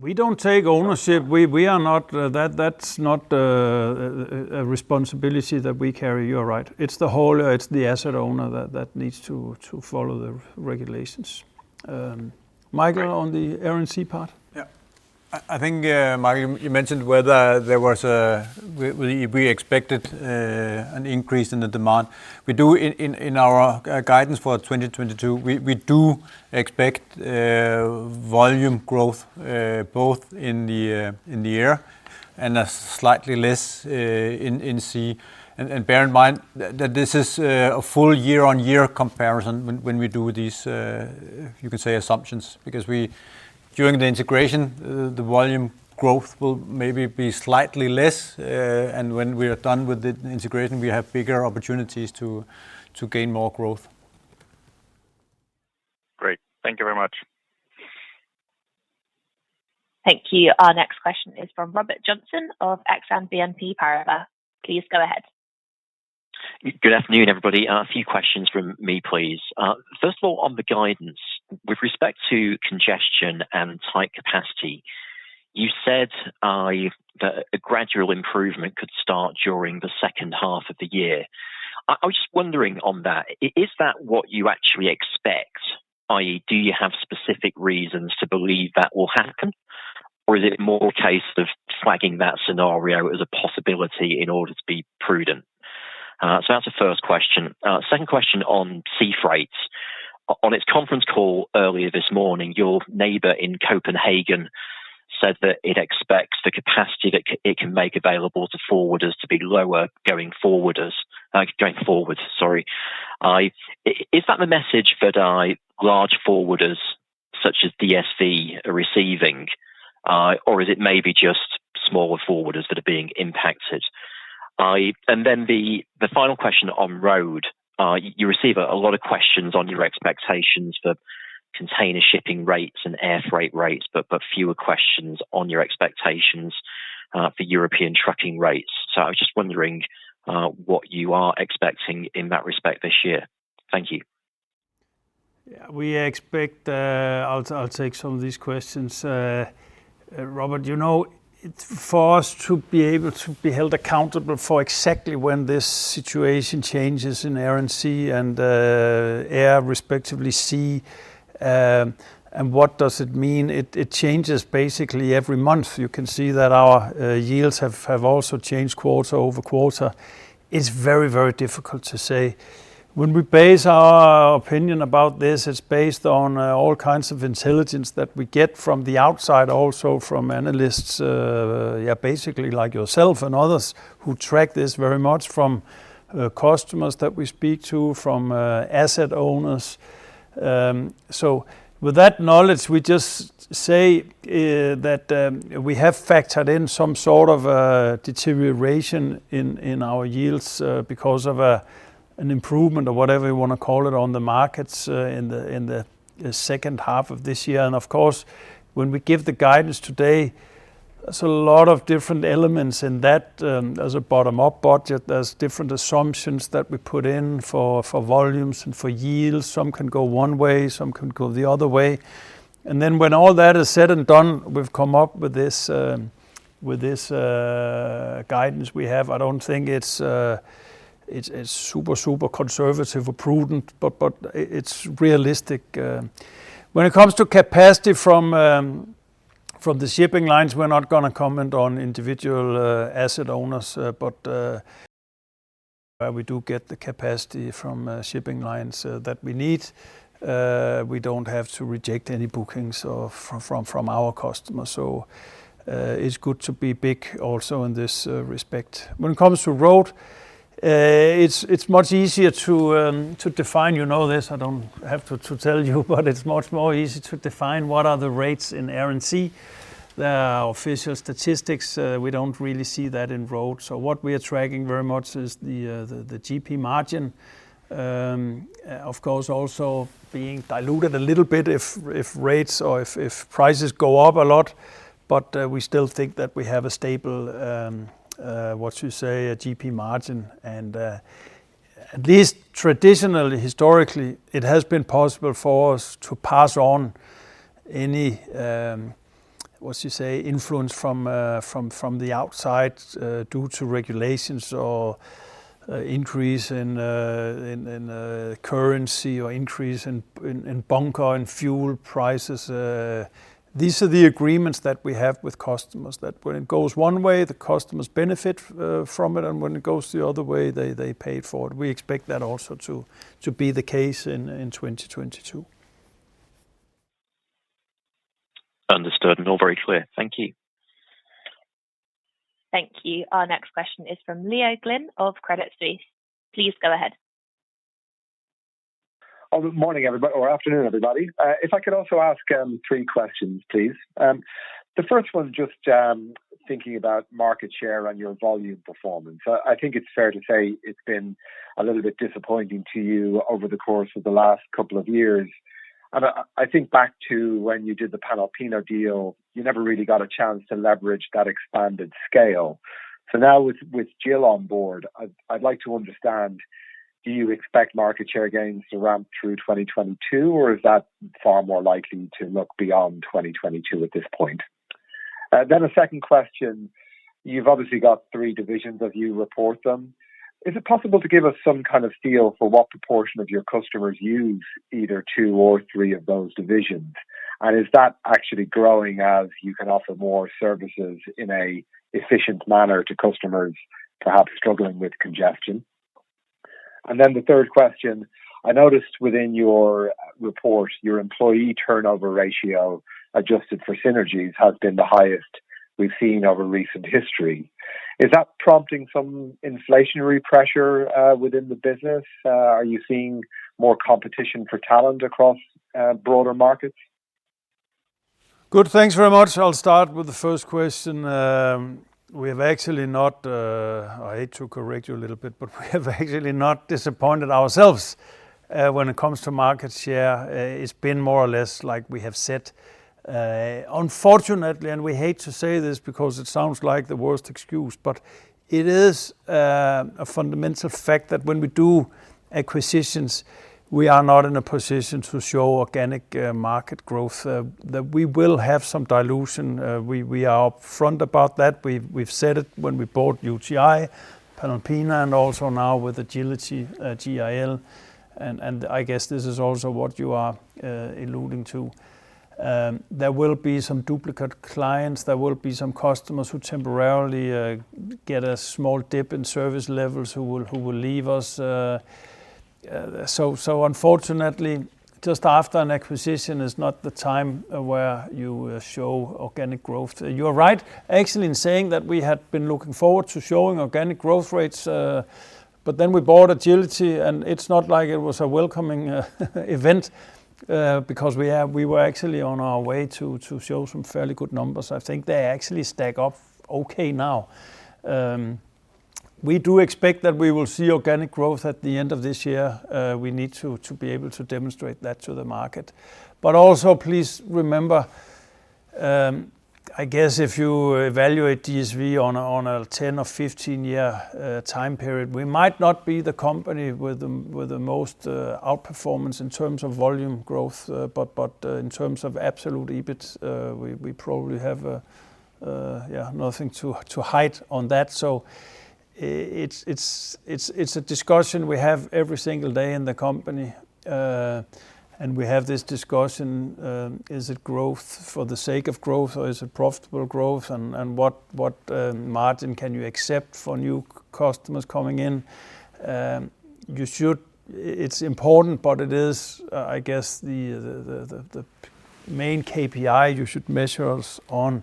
We don't take ownership. We are not. That's not a responsibility that we carry. You are right. It's the hauler, the asset owner that needs to follow the regulations. Mikkel, on the Air & Sea part. I think Mikkel, you mentioned whether we expected an increase in the demand. We do in our guidance for 2022, we do expect volume growth both in the Air & Sea and a slightly less in sea. Bear in mind that this is a full year-on-year comparison when we do these you can say assumptions. Because we during the integration the volume growth will maybe be slightly less. When we are done with the integration, we have bigger opportunities to gain more growth. Great. Thank you very much. Thank you. Our next question is from Robert Joynson of Exane BNP Paribas. Please go ahead. Good afternoon, everybody. A few questions from me, please. First of all, on the guidance, with respect to congestion and tight capacity, you said that a gradual improvement could start during the second half of the year. I was just wondering on that, is that what you actually expect? i.e., do you have specific reasons to believe that will happen? Or is it more a case of flagging that scenario as a possibility in order to be prudent? So that's the first question. Second question on sea freight. On its conference call earlier this morning, your neighbor in Copenhagen said that it expects the capacity that it can make available to forwarders to be lower going forward. Is that the message that large forwarders such as DSV are receiving? Is it maybe just smaller forwarders that are being impacted? The final question on Road, you receive a lot of questions on your expectations for container shipping rates and air freight rates, but fewer questions on your expectations for European trucking rates. I was just wondering what you are expecting in that respect this year. Thank you. Yeah. We expect, I'll take some of these questions, Robert. You know, for us to be able to be held accountable for exactly when this situation changes in Air & Sea and Air respectively Sea, and what does it mean. It changes basically every month. You can see that our yields have also changed quarter-over-quarter. It's very difficult to say. When we base our opinion about this, it's based on all kinds of intelligence that we get from the outside also from analysts, yeah, basically like yourself and others who track this very much from customers that we speak to, from asset owners. With that knowledge, we just say that we have factored in some sort of a deterioration in our yields because of an improvement or whatever you wanna call it on the markets in the second half of this year. Of course, when we give the guidance today, there's a lot of different elements in that. There's a bottom-up budget, there's different assumptions that we put in for volumes and for yields. Some can go one way, some can go the other way. And then when all that is said and done, we've come up with this guidance we have. I don't think it's super conservative or prudent, but it's realistic. When it comes to capacity from the shipping lines, we're not gonna comment on individual asset owners. We do get the capacity from shipping lines that we need. We don't have to reject any bookings or from our customers. It's good to be big also in this respect. When it comes to road, it's much easier to define, you know this, I don't have to tell you, but it's much more easy to define what are the rates in air and sea. The official statistics we don't really see that in road. What we are tracking very much is the GP margin, of course, also being diluted a little bit if rates or prices go up a lot, but we still think that we have a stable, what you say, a GP margin. At least traditionally, historically, it has been possible for us to pass on any, what you say, influence from the outside due to regulations or increase in currency or increase in bunker and fuel prices. These are the agreements that we have with customers that when it goes one way, the customers benefit from it and when it goes the other way, they pay for it. We expect that also to be the case in 2022. Understood. No, very clear. Thank you. Thank you. Our next question is from Neil Glynn of Credit Suisse. Please go ahead. Oh, good morning, everybody, or afternoon, everybody. If I could also ask three questions, please. The first one's just thinking about market share and your volume performance. I think it's fair to say it's been a little bit disappointing to you over the course of the last couple of years. I think back to when you did the Panalpina deal, you never really got a chance to leverage that expanded scale. Now with GIL on board, I'd like to understand, do you expect market share gains to ramp through 2022 or is that far more likely to look beyond 2022 at this point? A second question, you've obviously got three divisions as you report them. Is it possible to give us some kind of feel for what proportion of your customers use either two or three of those divisions? Is that actually growing as you can offer more services in an efficient manner to customers perhaps struggling with congestion? The third question, I noticed within your report, your employee turnover ratio, adjusted for synergies, has been the highest we've seen over recent history. Is that prompting some inflationary pressure within the business? Are you seeing more competition for talent across broader markets? Good. Thanks very much. I'll start with the first question. We have actually not, I hate to correct you a little bit, but we have actually not disappointed ourselves when it comes to market share. It's been more or less like we have said. Unfortunately, and we hate to say this because it sounds like the worst excuse, but it is a fundamental fact that when we do acquisitions, we are not in a position to show organic market growth that we will have some dilution. We are upfront about that. We've said it when we bought UTi, Panalpina, and also now with Agility GIL, and I guess this is also what you are alluding to. There will be some duplicate clients. There will be some customers who temporarily get a small dip in service levels who will leave us. Unfortunately, just after an acquisition is not the time where you show organic growth. You are right actually in saying that we had been looking forward to showing organic growth rates, but then we bought Agility, and it's not like it was a welcoming event because we were actually on our way to show some fairly good numbers. I think they actually stack up okay now. We do expect that we will see organic growth at the end of this year. We need to be able to demonstrate that to the market. Please remember, I guess if you evaluate DSV on a 10- or 15-year time period, we might not be the company with the most outperformance in terms of volume growth, but in terms of absolute EBIT, we probably have nothing to hide on that. It's a discussion we have every single day in the company. We have this discussion: is it growth for the sake of growth or is it profitable growth and what margin can you accept for new customers coming in? It's important, but it is the main KPI you should measure us on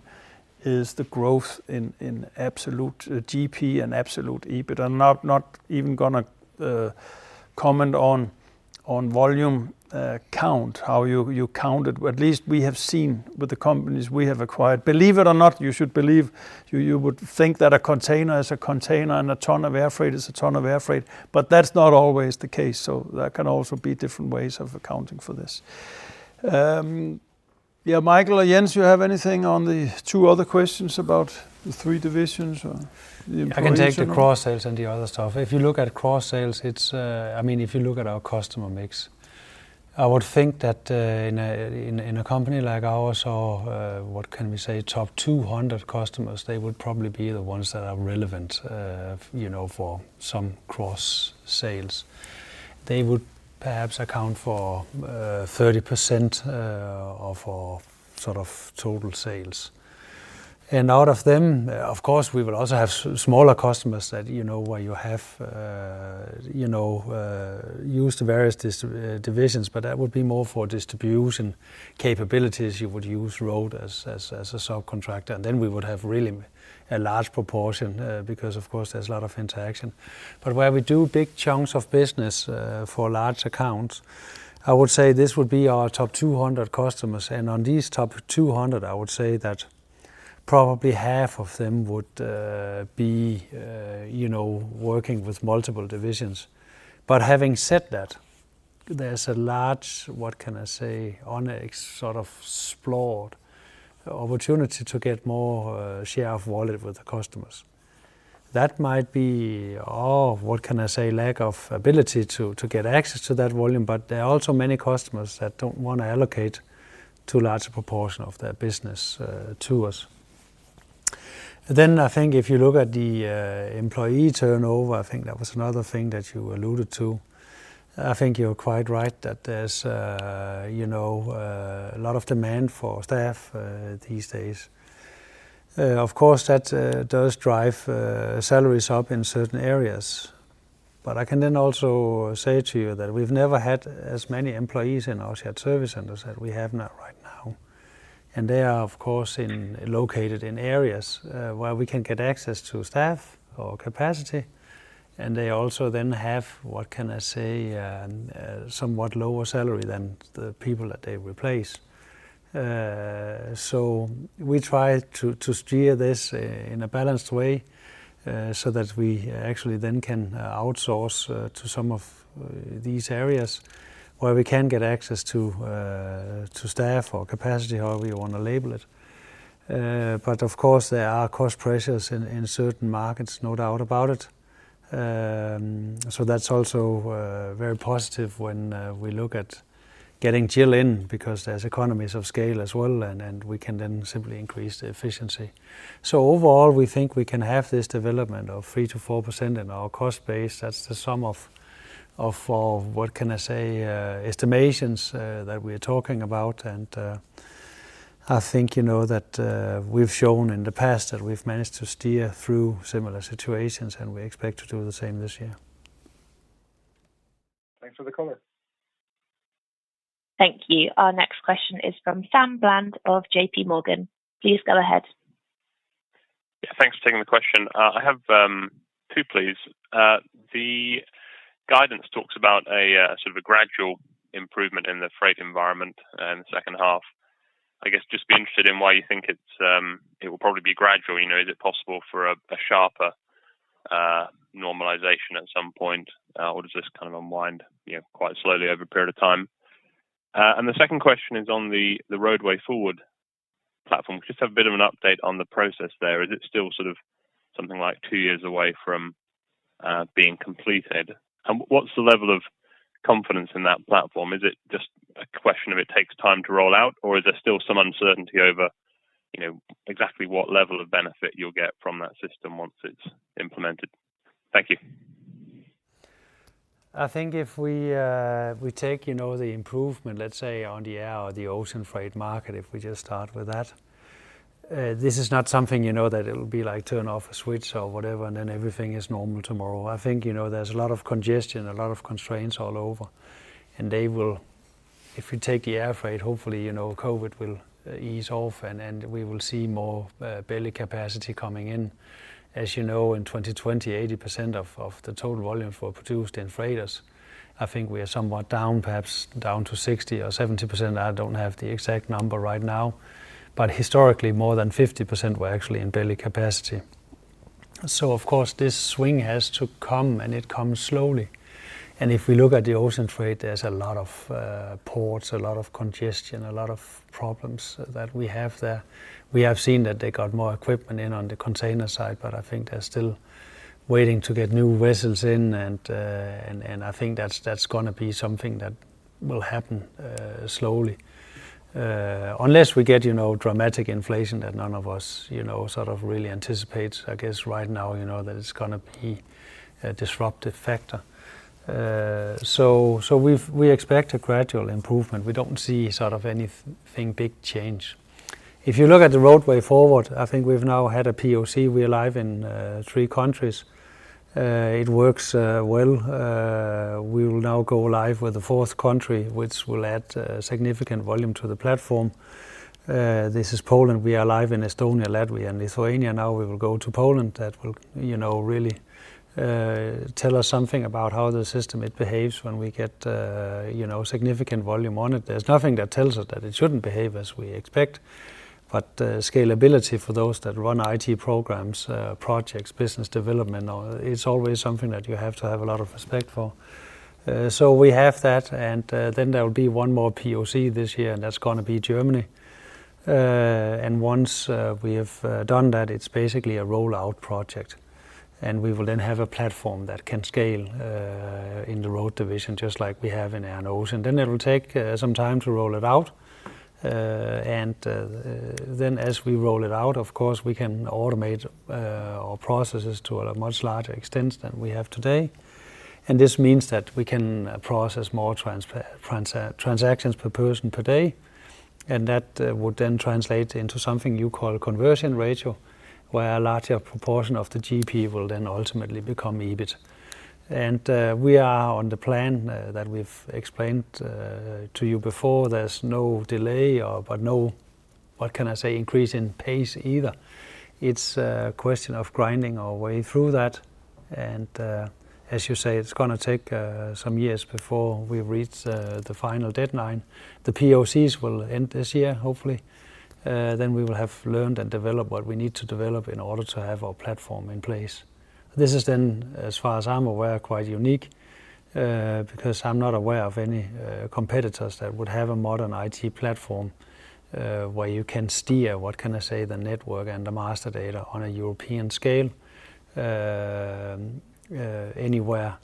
is the growth in absolute GP and absolute EBIT. I'm not even gonna comment on volume count, how you count it. At least we have seen with the companies we have acquired. Believe it or not, you should believe you would think that a container is a container and a ton of air freight is a ton of air freight, but that's not always the case. There can also be different ways of accounting for this. Yeah, Mikkel or Jens, you have anything on the two other questions about the three divisions or the employee turnover? I can take the cross sales and the other stuff. If you look at cross sales, it's, I mean, if you look at our customer mix, I would think that, in a company like ours or, what can we say, top 200 customers, they would probably be the ones that are relevant, you know, for some cross sales. They would perhaps account for 30% of our sort of total sales. Out of them, of course, we will also have smaller customers that, you know, where you have, you know, used various divisions, but that would be more for distribution capabilities. You would use Road as a subcontractor. Then we would have really a large proportion, because of course there's a lot of interaction. Where we do big chunks of business for large accounts, I would say this would be our top 200 customers. On these top 200, I would say that probably half of them would be, you know, working with multiple divisions. Having said that, there's a large, what can I say, unexplored opportunity to get more share of wallet with the customers. That might be, what can I say, lack of ability to get access to that volume, but there are also many customers that don't wanna allocate too large a proportion of their business to us. I think if you look at the employee turnover, I think that was another thing that you alluded to. I think you're quite right that there's a lot of demand for staff these days. Of course, that does drive salaries up in certain areas. I can then also say to you that we've never had as many employees in our shared service centers that we have now and they are of course located in areas where we can get access to staff or capacity, and they also then have what can I say somewhat lower salary than the people that they replace. We try to steer this in a balanced way so that we actually then can outsource to some of these areas where we can get access to staff or capacity, however you wanna label it. Of course, there are cost pressures in certain markets, no doubt about it. That's also very positive when we look at getting GIL in because there's economies of scale as well, and we can then simply increase the efficiency. Overall, we think we can have this development of 3%-4% in our cost base. That's the sum of our, what can I say, estimations that we're talking about. I think you know that we've shown in the past that we've managed to steer through similar situations, and we expect to do the same this year. Thanks for the color. Thank you. Our next question is from Samuel Bland of JPMorgan. Please go ahead. Yeah, thanks for taking the question. I have two, please. The guidance talks about a sort of a gradual improvement in the freight environment in the second half. I guess just be interested in why you think it will probably be gradual, you know. Is it possible for a sharper normalization at some point, or does this kind of unwind, you know, quite slowly over a period of time? And the second question is on the Roadway Forward platform. Can you just have a bit of an update on the process there. Is it still sort of something like two years away from being completed? And what's the level of confidence in that platform? Is it just a question of it takes time to roll out, or is there still some uncertainty over, you know, exactly what level of benefit you'll get from that system once it's implemented? Thank you. I think if we take, you know, the improvement, let's say on the air or the ocean freight market, if we just start with that, this is not something, you know, that it'll be like turn off a switch or whatever, and then everything is normal tomorrow. I think, you know, there's a lot of congestion, a lot of constraints all over, and they will. If we take the air freight, hopefully, you know, COVID will ease off and we will see more belly capacity coming in. As you know, in 2020, 80% of the total volume were produced in freighters. I think we are somewhat down, perhaps down to 60% or 70%. I don't have the exact number right now. Historically, more than 50% were actually in belly capacity. Of course, this swing has to come, and it comes slowly. If we look at the ocean freight, there's a lot of ports, a lot of congestion, a lot of problems that we have there. We have seen that they got more equipment in on the container side, but I think they're still waiting to get new vessels in and I think that's gonna be something that will happen slowly. Unless we get, you know, dramatic inflation that none of us, you know, sort of really anticipates, I guess right now, you know, that it's gonna be a disruptive factor. We expect a gradual improvement. We don't see sort of anything big change. If you look at the Roadway Forward, I think we've now had a POC. We're live in three countries. It works well. We will now go live with a fourth country, which will add significant volume to the platform. This is Poland. We are live in Estonia, Latvia, and Lithuania. Now we will go to Poland. That will, you know, really tell us something about how the system it behaves when we get, you know, significant volume on it. There's nothing that tells us that it shouldn't behave as we expect. Scalability for those that run IT programs, projects, business development, or it's always something that you have to have a lot of respect for. So we have that, and then there will be one more POC this year, and that's gonna be Germany. Once we have done that, it's basically a rollout project. We will then have a platform that can scale in the road division just like we have in air and ocean. It'll take some time to roll it out. As we roll it out, of course, we can automate our processes to a much larger extent than we have today. This means that we can process more transactions per person per day, and that would then translate into something you call conversion ratio, where a larger proportion of the GP will then ultimately become EBIT. We are on the plan that we've explained to you before. There's no delay or, but no, what can I say, increase in pace either. It's a question of grinding our way through that. As you say, it's gonna take some years before we reach the final deadline. The POCs will end this year, hopefully. Then we will have learned and developed what we need to develop in order to have our platform in place. This is then, as far as I'm aware, quite unique, because I'm not aware of any competitors that would have a modern IT platform, where you can steer, what can I say, the network and the master data on a European scale, anywhere.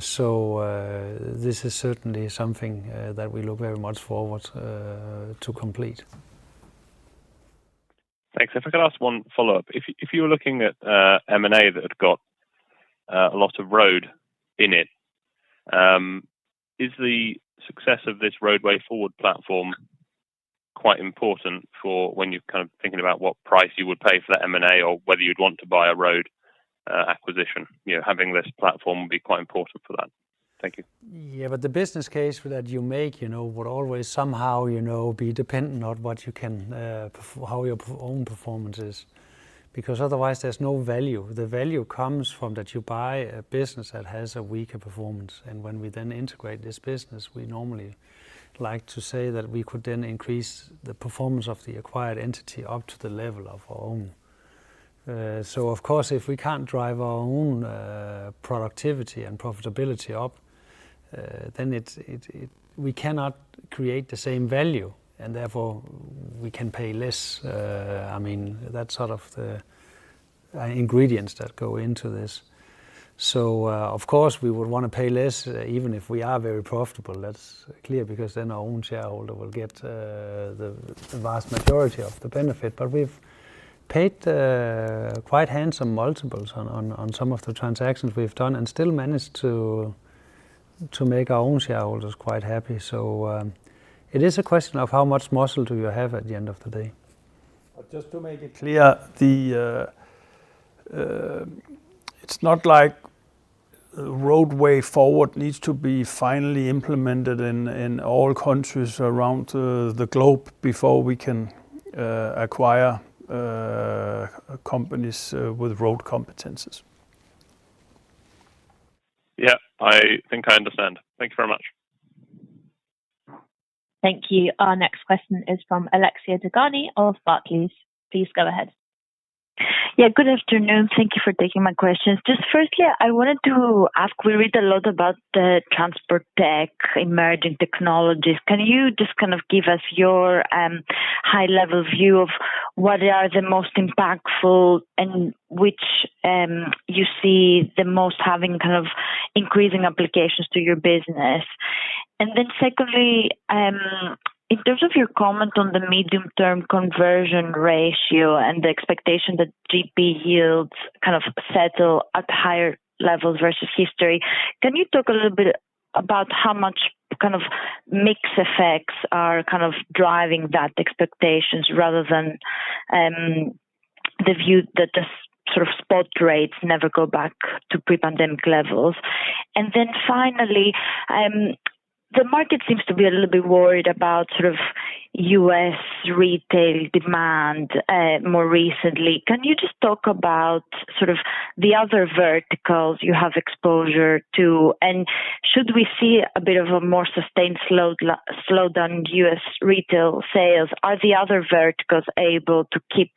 So, this is certainly something that we look very much forward to complete. Thanks. If I could ask one follow-up. If you were looking at M&A that had got a lot of road in it, is the success of this Roadway Forward platform quite important for when you're kind of thinking about what price you would pay for that M&A or whether you'd want to buy a road acquisition? You know, having this platform would be quite important for that. Thank you. The business case that you make, you know, would always somehow, you know, be dependent on what you can, how your own performance is, because otherwise there's no value. The value comes from that you buy a business that has a weaker performance. When we then integrate this business, we normally like to say that we could then increase the performance of the acquired entity up to the level of our own. Of course, if we can't drive our own productivity and profitability up, then we cannot create the same value, and therefore we can pay less. I mean, that's sort of the ingredients that go into this. Of course, we would wanna pay less, even if we are very profitable. That's clear, because then our own shareholder will get the vast majority of the benefit. We've paid quite handsome multiples on some of the transactions we've done and still managed to make our own shareholders quite happy. It is a question of how much muscle do you have at the end of the day? Just to make it clear, it's not like Roadway Forward needs to be finally implemented in all countries around the globe before we can acquire companies with road competencies. Yeah. I think I understand. Thank you very much. Thank you. Our next question is from Alexia Dogani of Barclays. Please go ahead. Yeah, good afternoon. Thank you for taking my questions. Just firstly, I wanted to ask, we read a lot about the transport tech, emerging technologies. Can you just kind of give us your high-level view of what are the most impactful and which you see the most having kind of increasing applications to your business? And then secondly, in terms of your comment on the medium-term conversion ratio and the expectation that GP yields kind of settle at higher levels versus history, can you talk a little bit about how much kind of mix effects are kind of driving that expectations rather than the view that the sort of spot rates never go back to pre-pandemic levels? And then finally, the market seems to be a little bit worried about sort of U.S. retail demand more recently. Can you just talk about sort of the other verticals you have exposure to? Should we see a bit of a more sustained slowdown in US retail sales, are the other verticals able to keep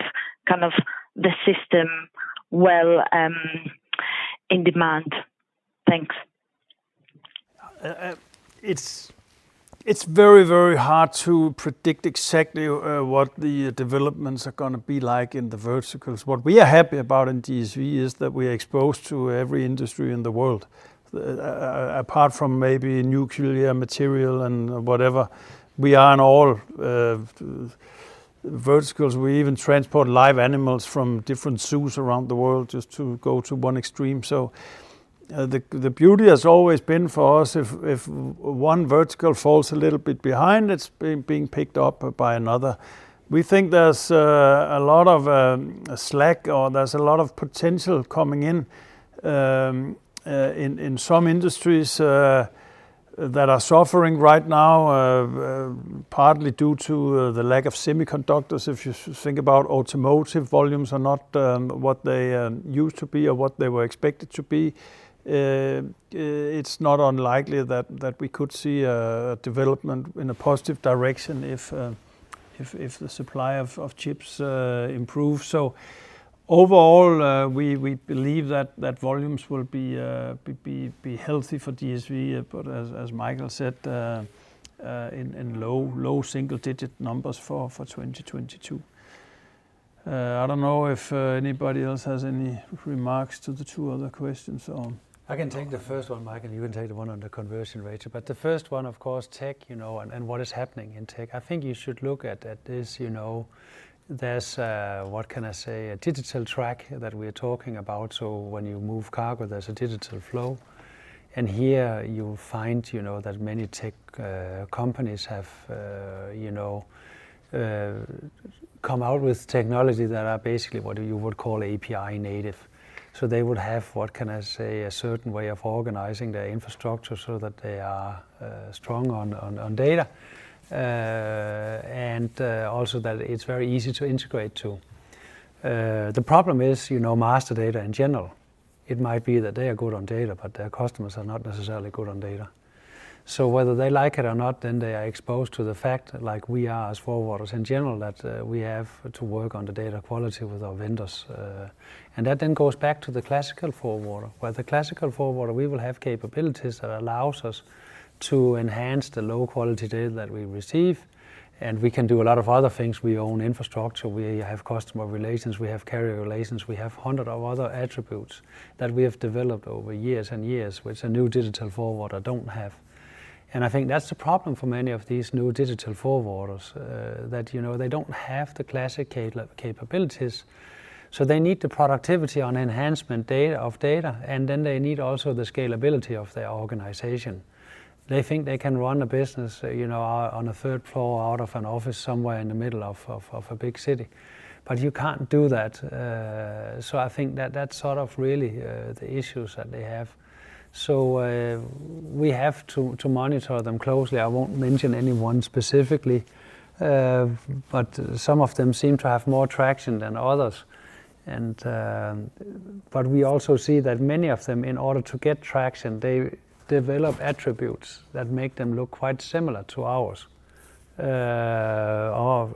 kind of the system well in demand? Thanks. It's very, very hard to predict exactly what the developments are gonna be like in the verticals. What we are happy about in DSV is that we're exposed to every industry in the world. Apart from maybe nuclear material and whatever, we are in all verticals. We even transport live animals from different zoos around the world just to go to one extreme. The beauty has always been for us if one vertical falls a little bit behind, it's being picked up by another. We think there's a lot of slack or there's a lot of potential coming in in some industries that are suffering right now partly due to the lack of semiconductors. If you think about automotive, volumes are not what they used to be or what they were expected to be. It's not unlikely that we could see a development in a positive direction if If the supply of chips improve. Overall, we believe that volumes will be healthy for DSV. As Mikkel said, in low single-digit numbers for 2022. I don't know if anybody else has any remarks to the two other questions on. I can take the first one, Mikkel, you can take the one on the conversion ratio. The first one, of course, tech, you know, and what is happening in tech. I think you should look at this, you know, there's what can I say? A digital track that we're talking about. When you move cargo, there's a digital flow. Here you'll find, you know, that many tech companies have come out with technology that are basically what you would call API native. They would have, what can I say? A certain way of organizing their infrastructure so that they are strong on data. And also that it's very easy to integrate to. The problem is, you know, master data in general, it might be that they are good on data, but their customers are not necessarily good on data. Whether they like it or not, then they are exposed to the fact like we are as forwarders in general, that we have to work on the data quality with our vendors. That then goes back to the classical forwarder. Where the classical forwarder, we will have capabilities that allows us to enhance the low-quality data that we receive, and we can do a lot of other things. We own infrastructure, we have customer relations, we have carrier relations, we have hundred of other attributes that we have developed over years and years, which the new digital forwarder don't have. I think that's the problem for many of these new digital forwarders that you know they don't have the classic capabilities. They need the productivity enhancement of data and then they need also the scalability of their organization. They think they can run a business you know on a third floor out of an office somewhere in the middle of a big city. You can't do that. I think that that's sort of the real issues that they have. We have to monitor them closely. I won't mention anyone specifically. Some of them seem to have more traction than others. We also see that many of them in order to get traction they develop attributes that make them look quite similar to ours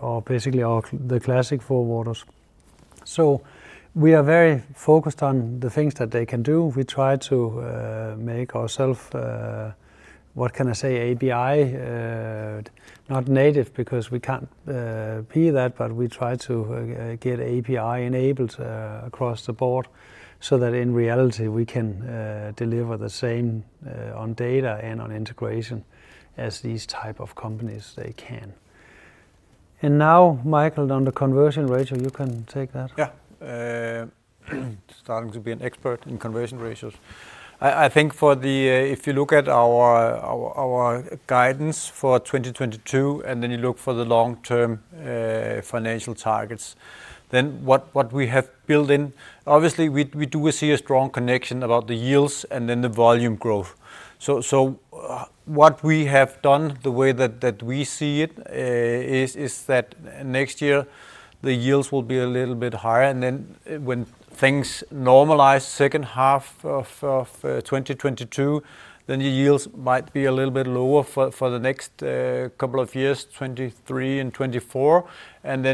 or basically the classic forwarders. We are very focused on the things that they can do. We try to make ourselves, what can I say? API, not native because we can't be that, but we try to get API enabled across the board so that in reality, we can deliver the same on data and on integration as these type of companies they can. Now, Mikkel, on the conversion ratio, you can take that. Yeah. Starting to be an expert in conversion ratios. I think if you look at our guidance for 2022, and then you look for the long-term financial targets, then what we have built in, obviously, we do see a strong connection about the yields and then the volume growth. What we have done, the way that we see it, is that next year the yields will be a little bit higher, and then when things normalize second half of 2022, then the yields might be a little bit lower for the next couple of years, 2023 and 2024.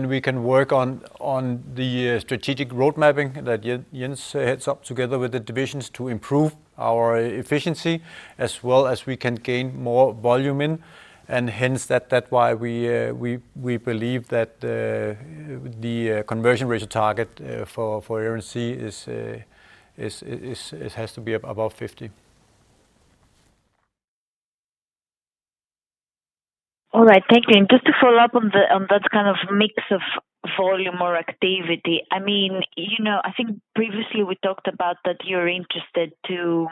We can work on the strategic road mapping that Jens heads up together with the divisions to improve our efficiency as well as we can gain more volume in. Hence that's why we believe that the conversion ratio target for Air & Sea has to be above 50%. All right. Thank you. Just to follow up on that kind of mix of volume or activity, I mean, you know, I think previously we talked about that you're interested to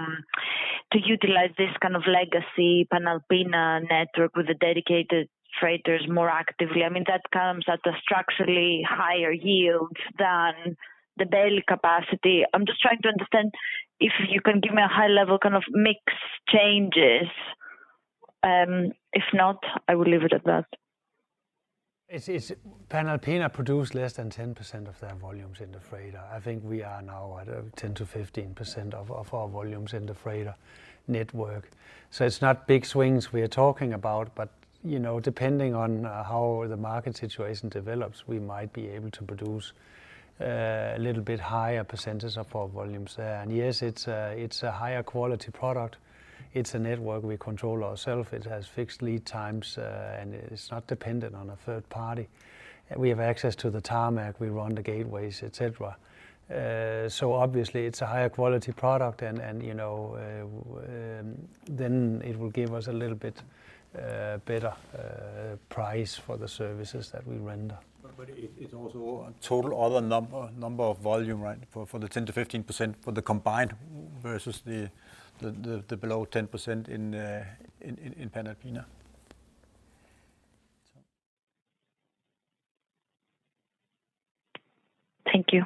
utilize this kind of legacy Panalpina network with the dedicated freighters more actively. I mean, that comes at a structurally higher yields than the daily capacity. I'm just trying to understand if you can give me a high level kind of mix changes. If not, I will leave it at that. It's Panalpina produce less than 10% of their volumes in the freighter. I think we are now at 10%-15% of our volumes in the freighter network. It's not big swings we are talking about, but you know, depending on how the market situation develops, we might be able to produce a little bit higher percentage of our volumes there. Yes, it's a higher quality product. It's a network we control ourself. It has fixed lead times and it's not dependent on a third party. We have access to the tarmac, we run the gateways, et cetera. Obviously it's a higher quality product and you know, then it will give us a little bit better price for the services that we render. It's also a total other number of volume, right? For the 10%-15% for the combined versus the below 10% in Panalpina. Thank you.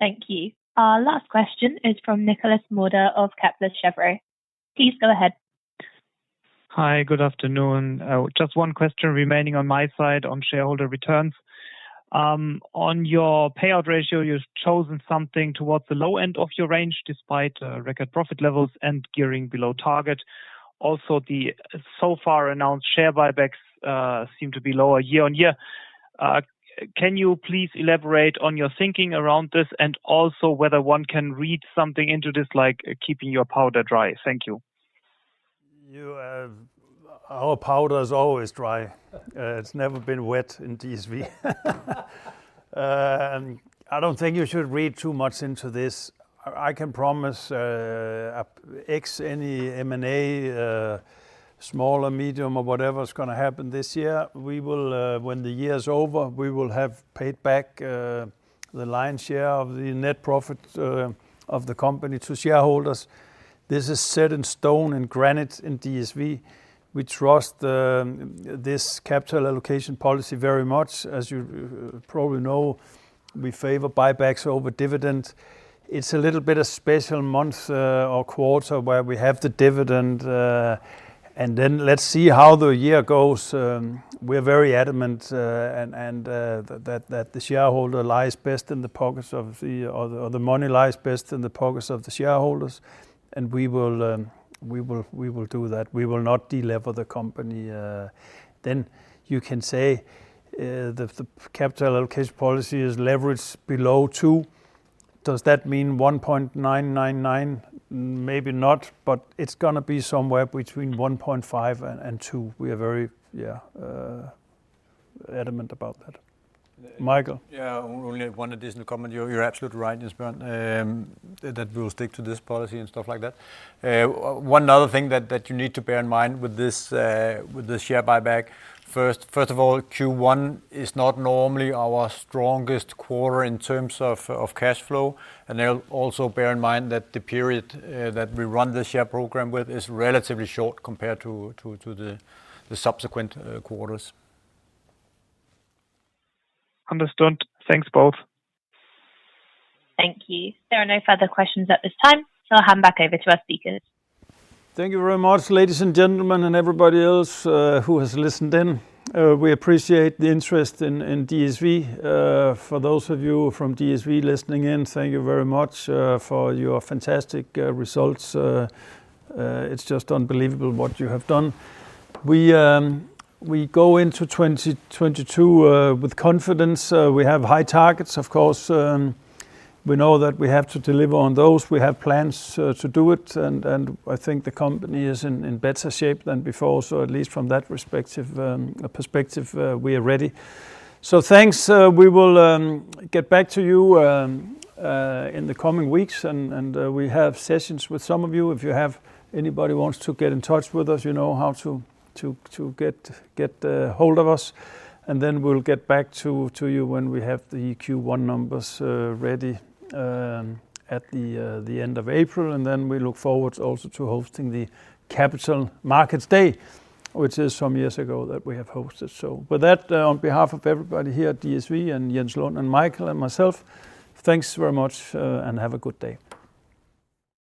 Thank you. Our last question is from Nikolas Mauder of Kepler Cheuvreux. Please go ahead. Hi. Good afternoon. Just one question remaining on my side on shareholder returns. On your payout ratio, you've chosen something towards the low end of your range, despite record profit levels and gearing below target. Also, the so far announced share buybacks seem to be lower year on year. Can you please elaborate on your thinking around this and also whether one can read something into this, like keeping your powder dry? Thank you. Our powder is always dry. It's never been wet in DSV. I don't think you should read too much into this. I can promise, except any M&A small or medium or whatever's gonna happen this year, when the year's over, we will have paid back the lion's share of the net profit of the company to shareholders. This is set in stone and granite in DSV. We trust this capital allocation policy very much. As you probably know, we favor buybacks over dividends. It's a little bit of a special month or quarter where we have the dividend, and then let's see how the year goes. We're very adamant that the money lies best in the pockets of the The money lies best in the pockets of the shareholders. We will do that. We will not delever the company. You can say the capital allocation policy is leveraged below two. Does that mean 1.999? Maybe not, but it's gonna be somewhere between 1.5 and two. We are very adamant about that. Mikkel? Yeah. Only one additional comment. You're absolutely right, Nikolas Mauder. We'll stick to this policy and stuff like that. One other thing that you need to bear in mind with this share buyback. First of all, Q1 is not normally our strongest quarter in terms of cash flow. Also bear in mind that the period that we run the share program with is relatively short compared to the subsequent quarters. Understood. Thanks both. Thank you. There are no further questions at this time, so I'll hand back over to our speakers. Thank you very much, ladies and gentlemen, and everybody else who has listened in. We appreciate the interest in DSV. For those of you from DSV listening in, thank you very much for your fantastic results. It's just unbelievable what you have done. We go into 2022 with confidence. We have high targets, of course. We know that we have to deliver on those. We have plans to do it, and I think the company is in better shape than before. At least in that respect, we are ready. Thanks. We will get back to you in the coming weeks and we have sessions with some of you. If you have anybody who wants to get in touch with us, you know how to get hold of us. We'll get back to you when we have the Q1 numbers ready at the end of April. We look forward also to hosting the Capital Markets Day, which is some years ago that we have hosted. With that, on behalf of everybody here at DSV, and Jens Lund and Mikkel and myself, thanks very much and have a good day.